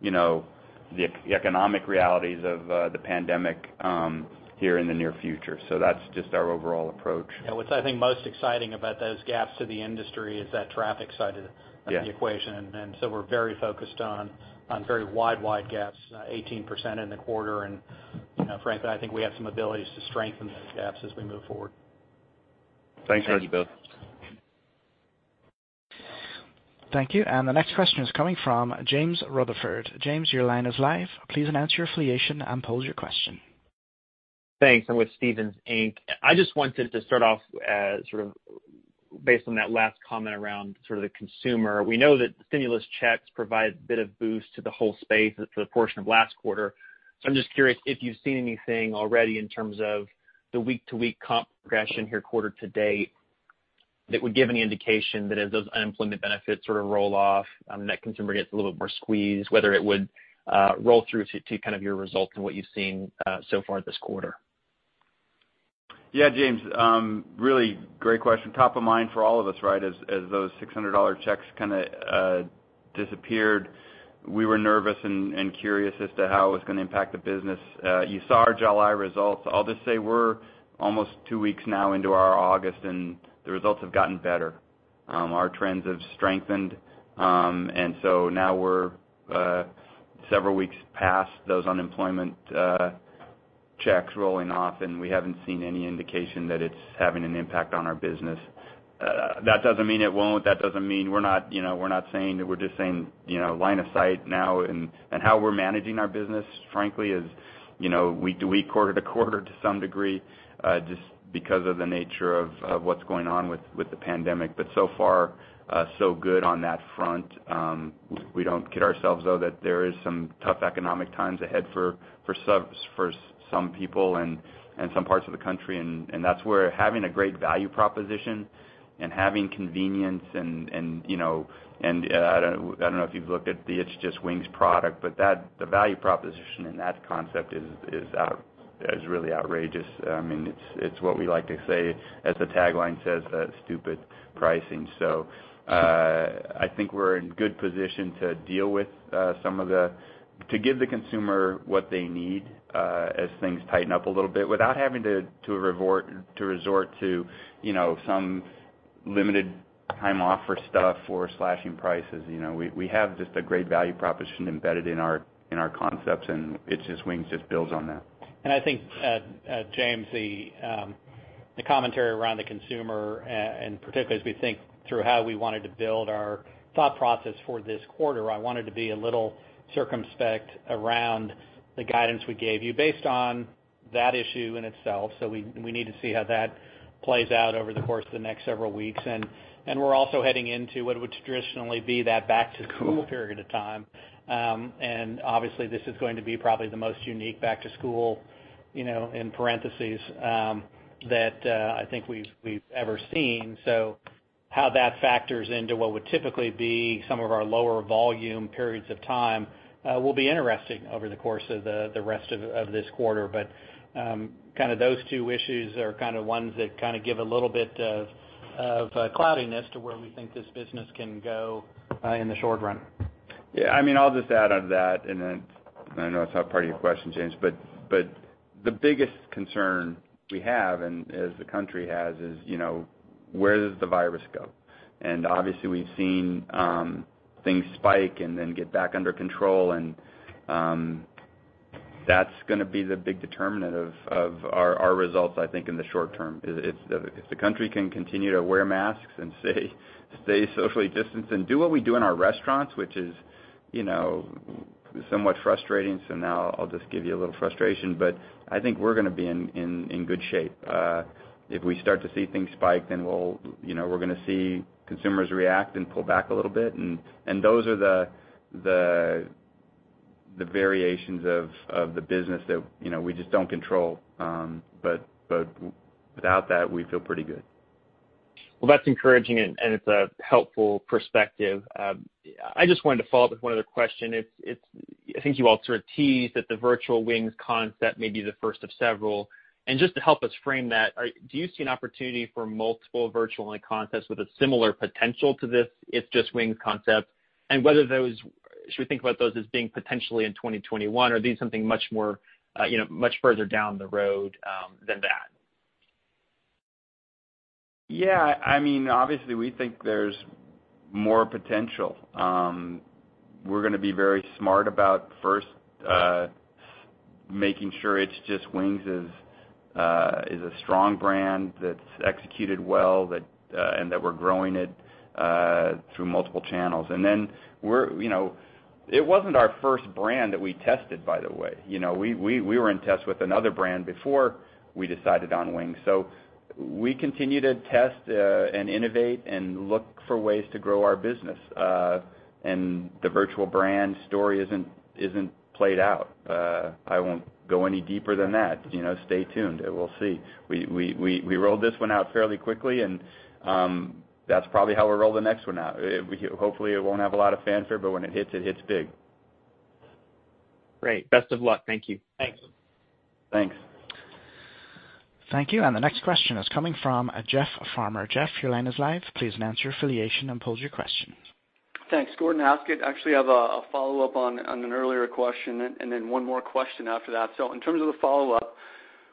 the economic realities of the pandemic here in the near future. That's just our overall approach. Yeah. What's I think most exciting about those gaps to the industry is that traffic side of the equation. Yeah. We're very focused on very wide gaps, 18% in the quarter. Frankly, I think we have some abilities to strengthen those gaps as we move forward. Thanks, guys. Thank you both. Thank you. The next question is coming from James Rutherford. James, your line is live. Please announce your affiliation and pose your question. Thanks. I'm with Stephens Inc. I just wanted to start off as based on that last comment around the consumer. We know that stimulus checks provide a bit of boost to the whole space for the portion of last quarter. I'm just curious if you've seen anything already in terms of the week-to-week comp progression here quarter-to-date that would give any indication that as those unemployment benefits roll off, net consumer gets a little bit more squeezed, whether it would roll through to your results and what you've seen so far this quarter? Yeah, James, really great question. Top of mind for all of us, as those $600 checks disappeared. We were nervous and curious as to how it was going to impact the business. You saw our July results. I'll just say we're almost two weeks now into our August, and the results have gotten better. Our trends have strengthened. Now we're several weeks past those unemployment checks rolling off, and we haven't seen any indication that it's having an impact on our business. That doesn't mean it won't. We're just saying that line of sight now and how we're managing our business, frankly, is week-to-week, quarter-to-quarter to some degree, just because of the nature of what's going on with the pandemic. So far so good on that front. We don't kid ourselves, though, that there is some tough economic times ahead for some people and some parts of the country, and that's where having a great value proposition and having convenience and, I don't know if you've looked at the It's Just Wings product, but the value proposition in that concept is really outrageous. It's what we like to say as the tagline says, "Stupid pricing." I think we're in good position to give the consumer what they need as things tighten up a little bit without having to resort to some limited time offer stuff or slashing prices. We have just a great value proposition embedded in our concepts, and It's Just Wings just builds on that. I think, James, the commentary around the consumer, and particularly as we think through how we wanted to build our thought process for this quarter, I wanted to be a little circumspect around the guidance we gave you based on that issue in itself. We need to see how that plays out over the course of the next several weeks. We're also heading into what would traditionally be that back to school period of time. Obviously this is going to be probably the most unique back to school, in parentheses, that I think we've ever seen. How that factors into what would typically be some of our lower volume periods of time will be interesting over the course of the rest of this quarter. Those two issues are ones that give a little bit of cloudiness to where we think this business can go in the short run. Yeah, I'll just add on to that, and then I know it's not part of your question, James, but the biggest concern we have and as the country has is, where does the virus go? Obviously we've seen things spike and then get back under control, and that's going to be the big determinant of our results, I think, in the short term. If the country can continue to wear masks and stay socially distanced and do what we do in our restaurants, which is somewhat frustrating. Now I'll just give you a little frustration, but I think we're going to be in good shape. If we start to see things spike, then we're going to see consumers react and pull back a little bit, and those are the variations of the business that we just don't control. Without that, we feel pretty good. Well, that's encouraging, and it's a helpful perspective. I just wanted to follow up with one other question. I think you all sort of teased that the Virtual Wings concept may be the first of several, and just to help us frame that, do you see an opportunity for multiple virtual-only concepts with a similar potential to this It's Just Wings concept, and should we think about those as being potentially in 2021? Or are these something much further down the road than that? Yeah. Obviously, we think there's more potential. We're going to be very smart about first making sure It's Just Wings is a strong brand that's executed well and that we're growing it through multiple channels. It wasn't our first brand that we tested, by the way. We were in test with another brand before we decided on Wings. We continue to test and innovate and look for ways to grow our business. The virtual brand story isn't played out. I won't go any deeper than that. Stay tuned, and we'll see. We rolled this one out fairly quickly, and that's probably how we'll roll the next one out. Hopefully, it won't have a lot of fanfare, but when it hits, it hits big. Great. Best of luck. Thank you. Thanks. Thanks. Thank you. The next question is coming from Jeff Farmer. Jeff, your line is live. Please announce your affiliation and pose your question. Thanks. Gordon Haskett. Actually, I have a follow-up on an earlier question, and then one more question after that. In terms of the follow-up,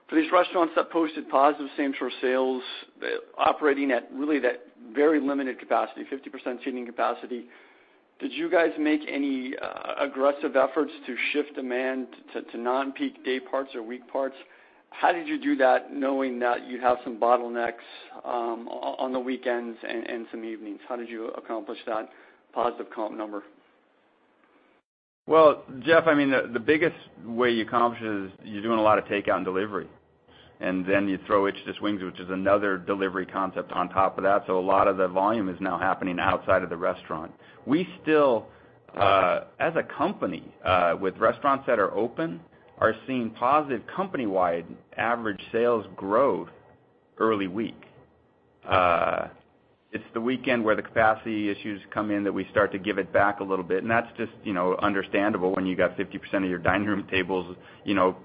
for these restaurants that posted positive same-store sales, operating at really that very limited capacity, 50% seating capacity. Did you guys make any aggressive efforts to shift demand to non-peak day parts or week parts? How did you do that knowing that you have some bottlenecks on the weekends and some evenings? How did you accomplish that positive comp number? Well, Jeff, the biggest way you accomplish it is you're doing a lot of takeout and delivery. You throw It's Just Wings, which is another delivery concept on top of that. A lot of the volume is now happening outside of the restaurant. We still, as a company, with restaurants that are open, are seeing positive company-wide average sales growth early week. It's the weekend where the capacity issues come in that we start to give it back a little bit. That's just understandable when you've got 50% of your dining room tables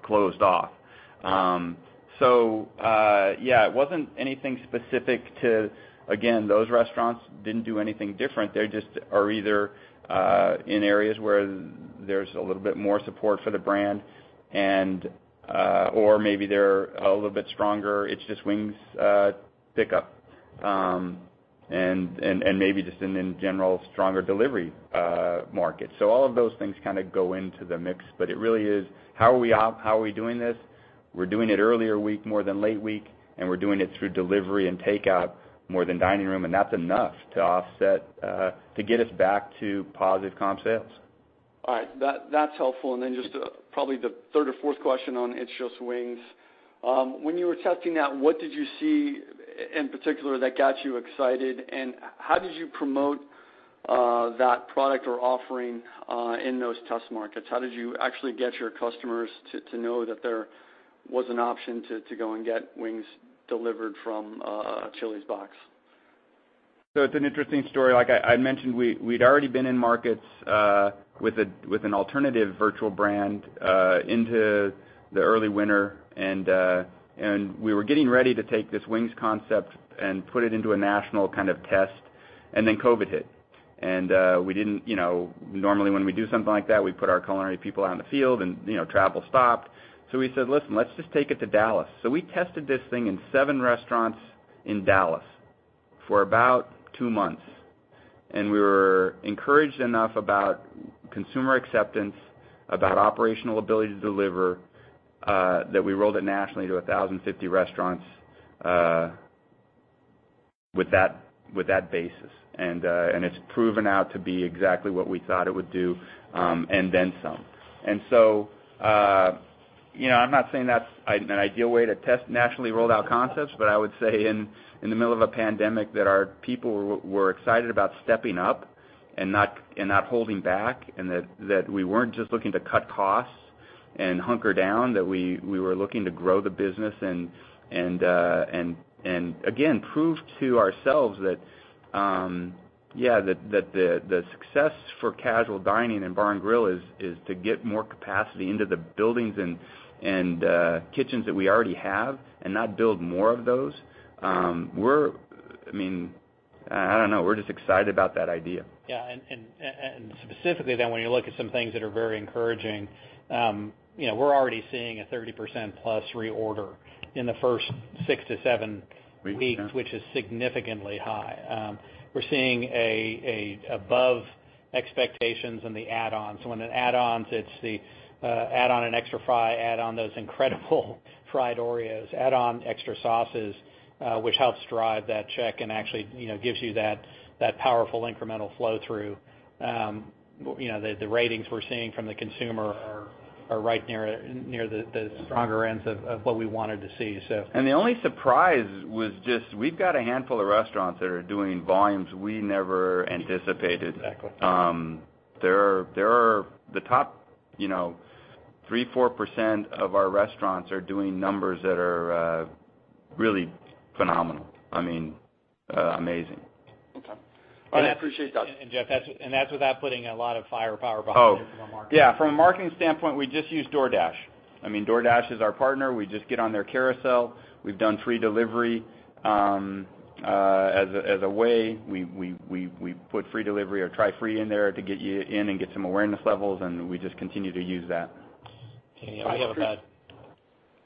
closed off. Yeah, it wasn't anything specific to, again, those restaurants didn't do anything different. They just are either in areas where there's a little bit more support for the brand or maybe they're a little bit stronger It's Just Wings pickup, maybe just in general, stronger delivery market. All of those things go into the mix, but it really is how are we doing this? We're doing it earlier week more than late week, and we're doing it through delivery and takeout more than dining room, and that's enough to offset to get us back to positive comp sales. All right. That's helpful. Just probably the third or fourth question on It's Just Wings. When you were testing that, what did you see in particular that got you excited, and how did you promote that product or offering in those test markets? How did you actually get your customers to know that there was an option to go and get wings delivered from a Chili's box? It's an interesting story. Like I mentioned, we'd already been in markets with an alternative virtual brand into the early winter, and we were getting ready to take this It's Just Wings and put it into a national test, and then COVID hit. Normally, when we do something like that, we put our culinary people out in the field, and travel stopped. We said, "Listen, let's just take it to Dallas." We tested this thing in seven restaurants in Dallas for about two months, and we were encouraged enough about consumer acceptance, about operational ability to deliver, that we rolled it nationally to 1,050 restaurants with that basis. It's proven out to be exactly what we thought it would do and then some. I'm not saying that's an ideal way to test nationally rolled-out concepts, but I would say in the middle of a pandemic, that our people were excited about stepping up and not holding back, and that we weren't just looking to cut costs and hunker down, that we were looking to grow the business, and again, prove to ourselves that the success for casual dining and bar and grill is to get more capacity into the buildings and kitchens that we already have and not build more of those. I don't know. We're just excited about that idea. Specifically, when you look at some things that are very encouraging, we're already seeing a 30%+ reorder in the first six to seven weeks. Yeah. Which is significantly high. We're seeing above expectations in the add-ons. So when an add-ons, it's the add-on an extra fry, add on those incredible Fried Oreos, add on extra sauces, which helps drive that check and actually gives you that powerful incremental flow-through. The ratings we're seeing from the consumer are right near the stronger ends of what we wanted to see. The only surprise was just we've got a handful of restaurants that are doing volumes we never anticipated. Exactly. The top 3%, 4% of our restaurants are doing numbers that are really phenomenal. Amazing. Okay. All right. I appreciate that. Jeff, that's without putting a lot of firepower behind it from a marketing standpoint. Yeah, from a marketing standpoint, we just use DoorDash. DoorDash is our partner. We just get on their carousel. We've done free delivery as a way. We put free delivery or try free in there to get you in and get some awareness levels, and we just continue to use that. Yeah.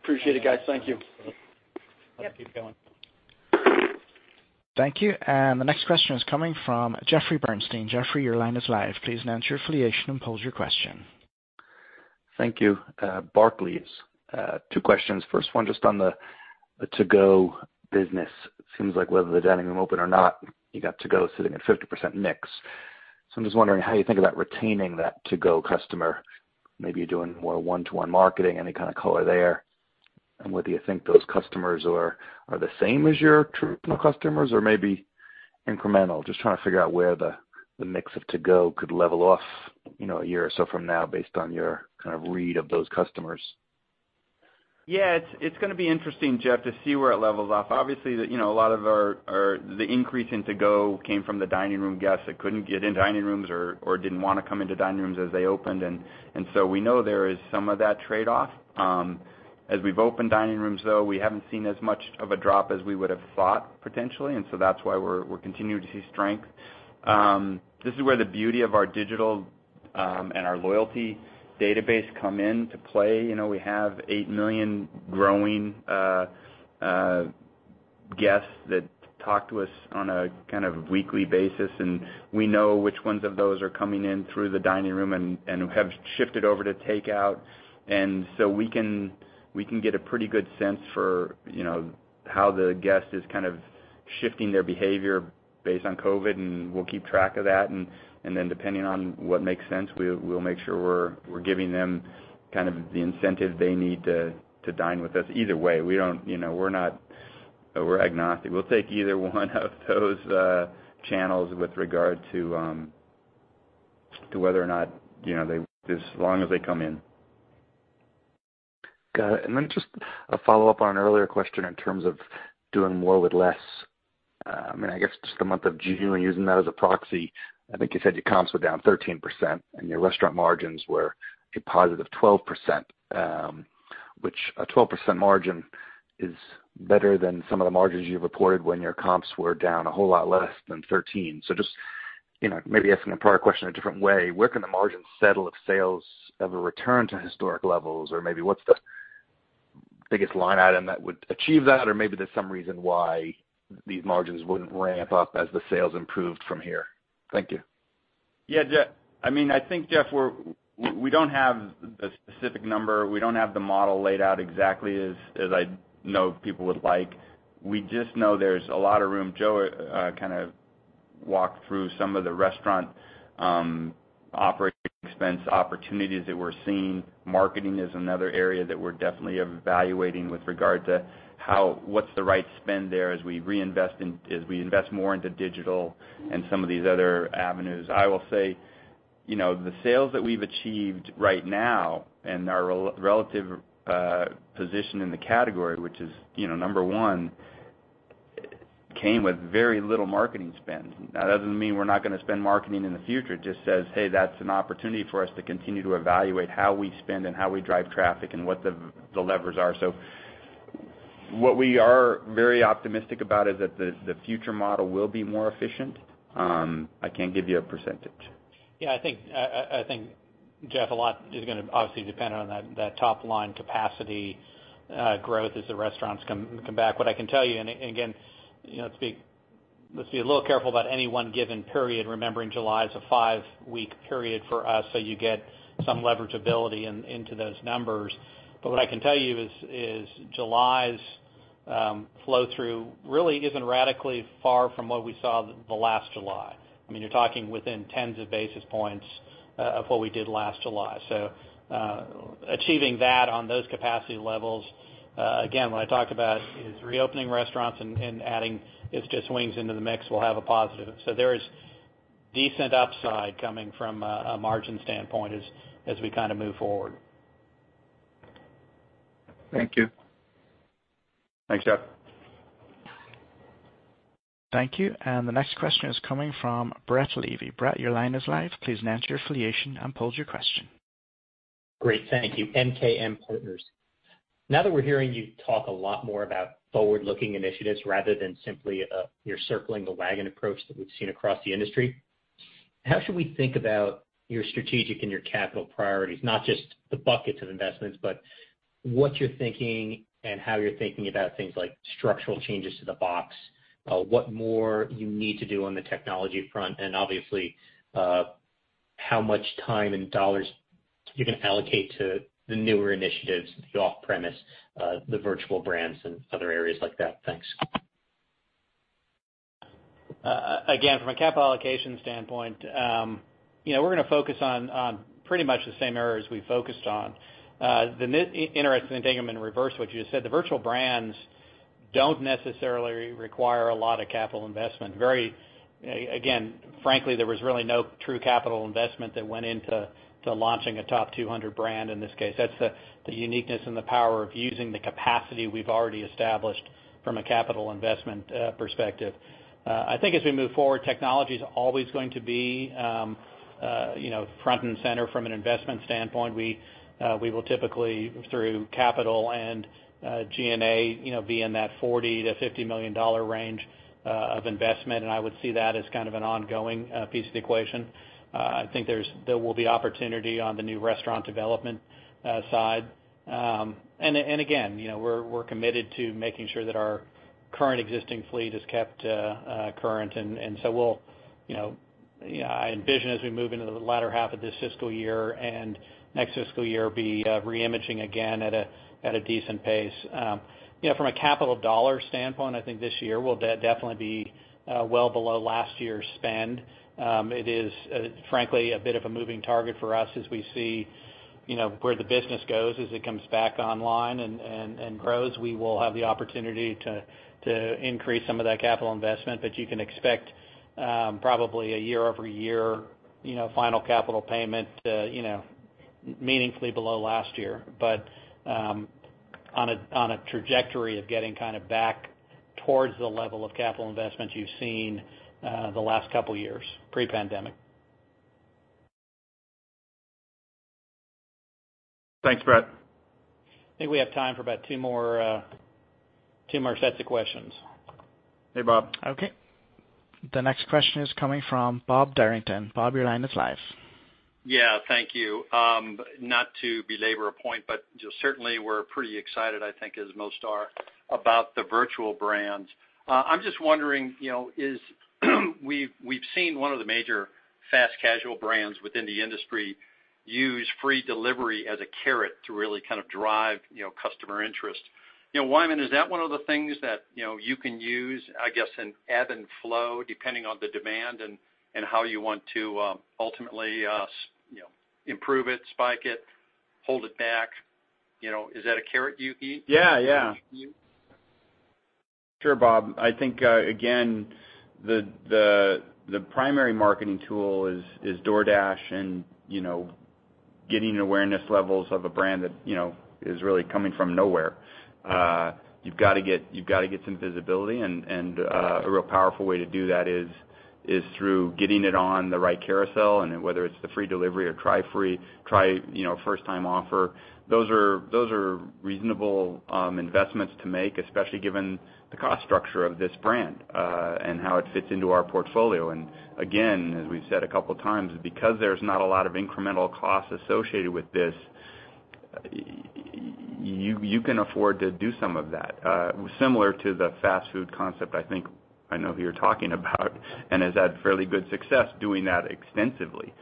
Appreciate it, guys. Thank you. Let's keep going. Thank you. The next question is coming from Jeffrey Bernstein. Jeffrey, your line is live. Please announce your affiliation and pose your question. Thank you. Barclays. Two questions. First one, just on the to-go business. It seems like whether the dining room open or not, you got to-go sitting at 50% mix. I'm just wondering how you think about retaining that to-go customer. Maybe you're doing more one-to-one marketing. Any kind of color there? Whether you think those customers are the same as your traditional customers or maybe incremental. Just trying to figure out where the mix of to-go could level off a year or so from now based on your read of those customers. Yeah, it's going to be interesting, Jeff, to see where it levels off. Obviously, the increase in to-go came from the dining room guests that couldn't get in dining rooms or didn't want to come into dining rooms as they opened. We know there is some of that trade-off. As we've opened dining rooms, though, we haven't seen as much of a drop as we would've thought potentially, and so that's why we're continuing to see strength. This is where the beauty of our digital and our loyalty database come into play. We have 8 million growing guests that talk to us on a kind of weekly basis, and we know which ones of those are coming in through the dining room and who have shifted over to takeout. We can get a pretty good sense for how the guest is shifting their behavior based on COVID. We'll keep track of that. Depending on what makes sense, we'll make sure we're giving them the incentive they need to dine with us either way. We're agnostic. We'll take either one of those channels with regard to whether or not they, as long as they come in. Got it. Just a follow-up on an earlier question in terms of doing more with less. I guess just the month of June, using that as a proxy, I think you said your comps were down 13% and your restaurant margins were a positive 12%, which a 12% margin is better than some of the margins you've reported when your comps were down a whole lot less than 13. Just maybe asking a prior question a different way, where can the margins settle if sales ever return to historic levels? Maybe what's the biggest line item that would achieve that? Maybe there's some reason why these margins wouldn't ramp up as the sales improved from here. Thank you. I think, Jeff, we don't have a specific number. We don't have the model laid out exactly as I know people would like. We just know there's a lot of room. Joe kind of walked through some of the restaurant operating expense opportunities that we're seeing. Marketing is another area that we're definitely evaluating with regard to what's the right spend there as we invest more into digital and some of these other avenues. I will say, the sales that we've achieved right now and our relative position in the category, which is number one, came with very little marketing spend. That doesn't mean we're not going to spend marketing in the future. It just says, hey, that's an opportunity for us to continue to evaluate how we spend and how we drive traffic and what the levers are. What we are very optimistic about is that the future model will be more efficient. I can't give you a percentage. Yeah, I think, Jeff, a lot is going to obviously depend on that top-line capacity growth as the restaurants come back. What I can tell you, let's be a little careful about any one given period, remembering July is a five-week period for us. You get some leverageability into those numbers. What I can tell you is July's flow through really isn't radically far from what we saw the last July. You're talking within tens of basis points of what we did last July. Achieving that on those capacity levels, again, when I talk about is reopening restaurants and adding It's Just Wings into the mix will have a positive. There is decent upside coming from a margin standpoint as we move forward. Thank you. Thanks, Jeff. Thank you. The next question is coming from Brett Levy. Brett, your line is live. Please state your affiliation and pose your question. Great. Thank you. MKM Partners. Now that we're hearing you talk a lot more about forward-looking initiatives rather than simply your circling the wagon approach that we've seen across the industry, how should we think about your strategic and your capital priorities? Not just the buckets of investments, but what you're thinking and how you're thinking about things like structural changes to the box, what more you need to do on the technology front, and obviously, how much time and dollars you're going to allocate to the newer initiatives, the off-premise, the virtual brands, and other areas like that? Thanks. From a capital allocation standpoint, we're going to focus on pretty much the same areas we focused on. Interesting to take them in reverse what you just said. The virtual brands don't necessarily require a lot of capital investment. Frankly, there was really no true capital investment that went into launching a top 200 brand in this case. That's the uniqueness and the power of using the capacity we've already established from a capital investment perspective. I think as we move forward, technology's always going to be front and center from an investment standpoint. We will typically, through capital and G&A, be in that $40 million to $50 million range of investment, and I would see that as kind of an ongoing piece of the equation. I think there will be opportunity on the new restaurant development side. Again, we're committed to making sure that our current existing fleet is kept current, and so I envision as we move into the latter half of this fiscal year and next fiscal year, be re-imaging again at a decent pace. From a capital dollar standpoint, I think this year will definitely be well below last year's spend. It is, frankly, a bit of a moving target for us as we see where the business goes as it comes back online and grows. We will have the opportunity to increase some of that capital investment. You can expect probably a year-over-year final capital payment meaningfully below last year. On a trajectory of getting back towards the level of capital investment you've seen the last couple of years, pre-pandemic. Thanks, Brett. I think we have time for about two more sets of questions. Hey, Bob. Okay. The next question is coming from Bob Derrington. Bob, your line is live. Yeah, thank you. Not to belabor a point, but just certainly we're pretty excited, I think as most are, about the virtual brands. I'm just wondering, we've seen one of the major fast casual brands within the industry use free delivery as a carrot to really drive customer interest. Wyman, is that one of the things that you can use, I guess, an ebb and flow depending on the demand and how you want to ultimately improve it, spike it, hold it back? Is that a carrot you eat? Yeah. Sure, Bob. I think, again, the primary marketing tool is DoorDash and getting awareness levels of a brand that is really coming from nowhere. You've got to get some visibility, and a real powerful way to do that is through getting it on the right carousel, and whether it's the free delivery or try free first time offer, those are reasonable investments to make, especially given the cost structure of this brand, and how it fits into our portfolio. Again, as we've said a couple times, because there's not a lot of incremental costs associated with this, you can afford to do some of that. Similar to the fast food concept I think I know who you're talking about and has had fairly good success doing that extensively.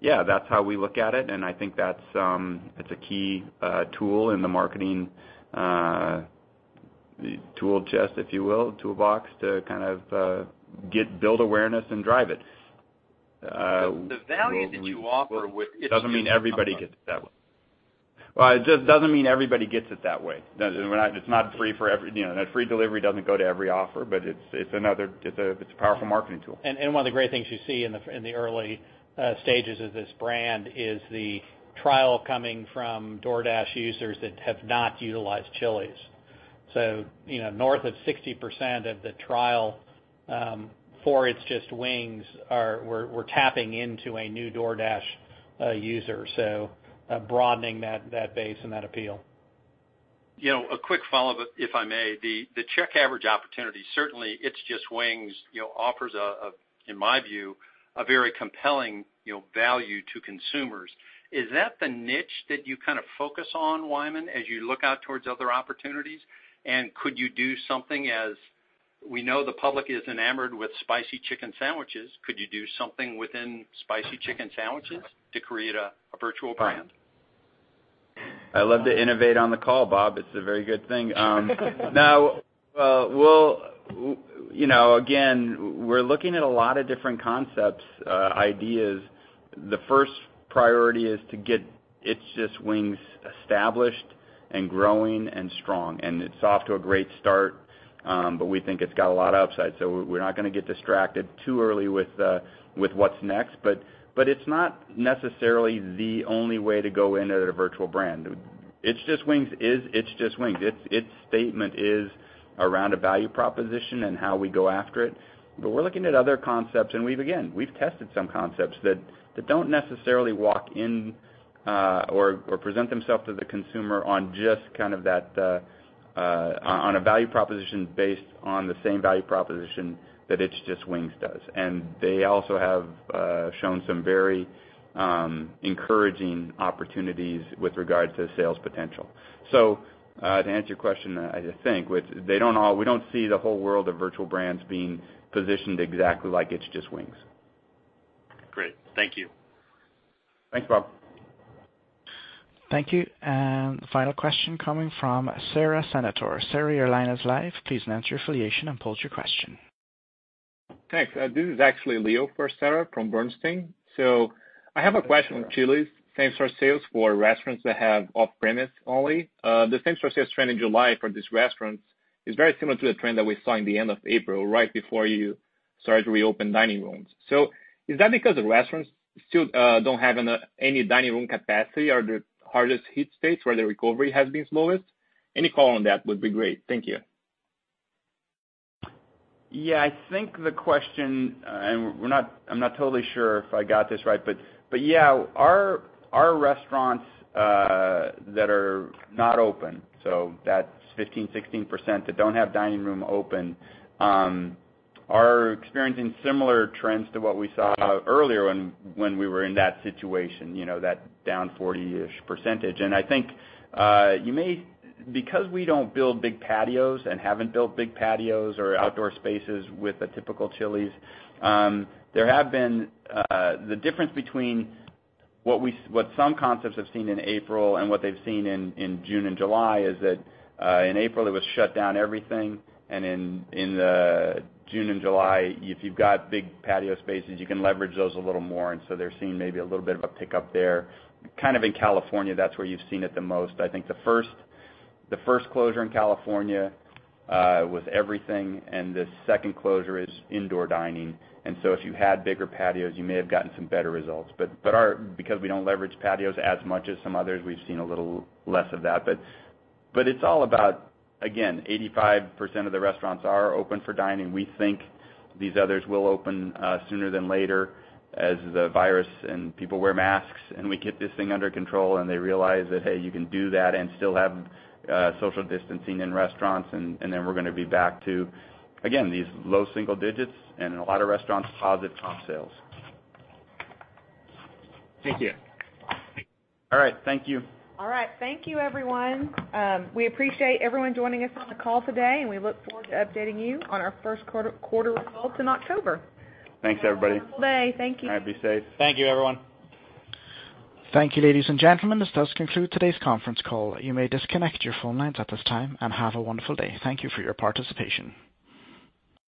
Yeah, that's how we look at it, and I think that's a key tool in the marketing tool chest, if you will, toolbox to build awareness and drive it. The value that you offer with It's Just Wings- Doesn't mean everybody gets it that way. That free delivery doesn't go to every offer, but it's a powerful marketing tool. One of the great things you see in the early stages of this brand is the trial coming from DoorDash users that have not utilized Chili's. North of 60% of the trial for It's Just Wings, we're tapping into a new DoorDash user. Broadening that base and that appeal. A quick follow-up, if I may. The check average opportunity, certainly It's Just Wings offers, in my view, a very compelling value to consumers. Is that the niche that you focus on, Wyman, as you look out towards other opportunities? And could you do something, as we know the public is enamored with spicy chicken sandwiches. Could you do something within spicy chicken sandwiches to create a virtual brand? I love to innovate on the call, Bob. It's a very good thing. Again, we're looking at a lot of different concepts, ideas. The first priority is to get It's Just Wings established and growing and strong. It's off to a great start, but we think it's got a lot of upside. We're not going to get distracted too early with what's next. It's not necessarily the only way to go in at a virtual brand. It's Just Wings is It's Just Wings. Its statement is around a value proposition and how we go after it. We're looking at other concepts, and we've tested some concepts that don't necessarily walk in or present themselves to the consumer on a value proposition based on the same value proposition that It's Just Wings does. They also have shown some very encouraging opportunities with regard to sales potential. To answer your question, I think, we don't see the whole world of virtual brands being positioned exactly like It's Just Wings. Great. Thank you. Thanks, Bob. Thank you. Final question coming from Sara Senatore. Sara, your line is live. Please state your affiliation and pose your question. Thanks. This is actually Leo for Sara from Bernstein. I have a question on Chili's same-store sales for restaurants that have off-premise only. The same-store sales trend in July for these restaurants is very similar to the trend that we saw in the end of April right before you started to reopen dining rooms. Is that because the restaurants still don't have any dining room capacity or the hardest hit states where the recovery has been slowest? Any call on that would be great. Thank you. I think the question, and I'm not totally sure if I got this right, but our restaurants that are not open, so that's 15%, 16%, that don't have dining room open, are experiencing similar trends to what we saw earlier when we were in that situation, that down 40-ish percentage. I think because we don't build big patios and haven't built big patios or outdoor spaces with a typical Chili's, the difference between what some concepts have seen in April and what they've seen in June and July is that, in April, it was shut down everything, and in June and July, if you've got big patio spaces, you can leverage those a little more. They're seeing maybe a little bit of a pickup there. In California, that's where you've seen it the most. I think the first closure in California was everything, and the second closure is indoor dining. If you had bigger patios, you may have gotten some better results. Because we don't leverage patios as much as some others, we've seen a little less of that. It's all about, again, 85% of the restaurants are open for dining. We think these others will open sooner than later as the virus and people wear masks, and we get this thing under control, and they realize that, hey, you can do that and still have social distancing in restaurants. Then we're going to be back to, again, these low single digits, and in a lot of restaurants, positive comp sales. Thank you. All right. Thank you. All right. Thank you, everyone. We appreciate everyone joining us on the call today, and we look forward to updating you on our first quarter results in October. Thanks, everybody. Have a wonderful day. Thank you. All right, be safe. Thank you, everyone. Thank you, ladies and gentlemen. This does conclude today's conference call. You may disconnect your phone lines at this time and have a wonderful day. Thank you for your participation.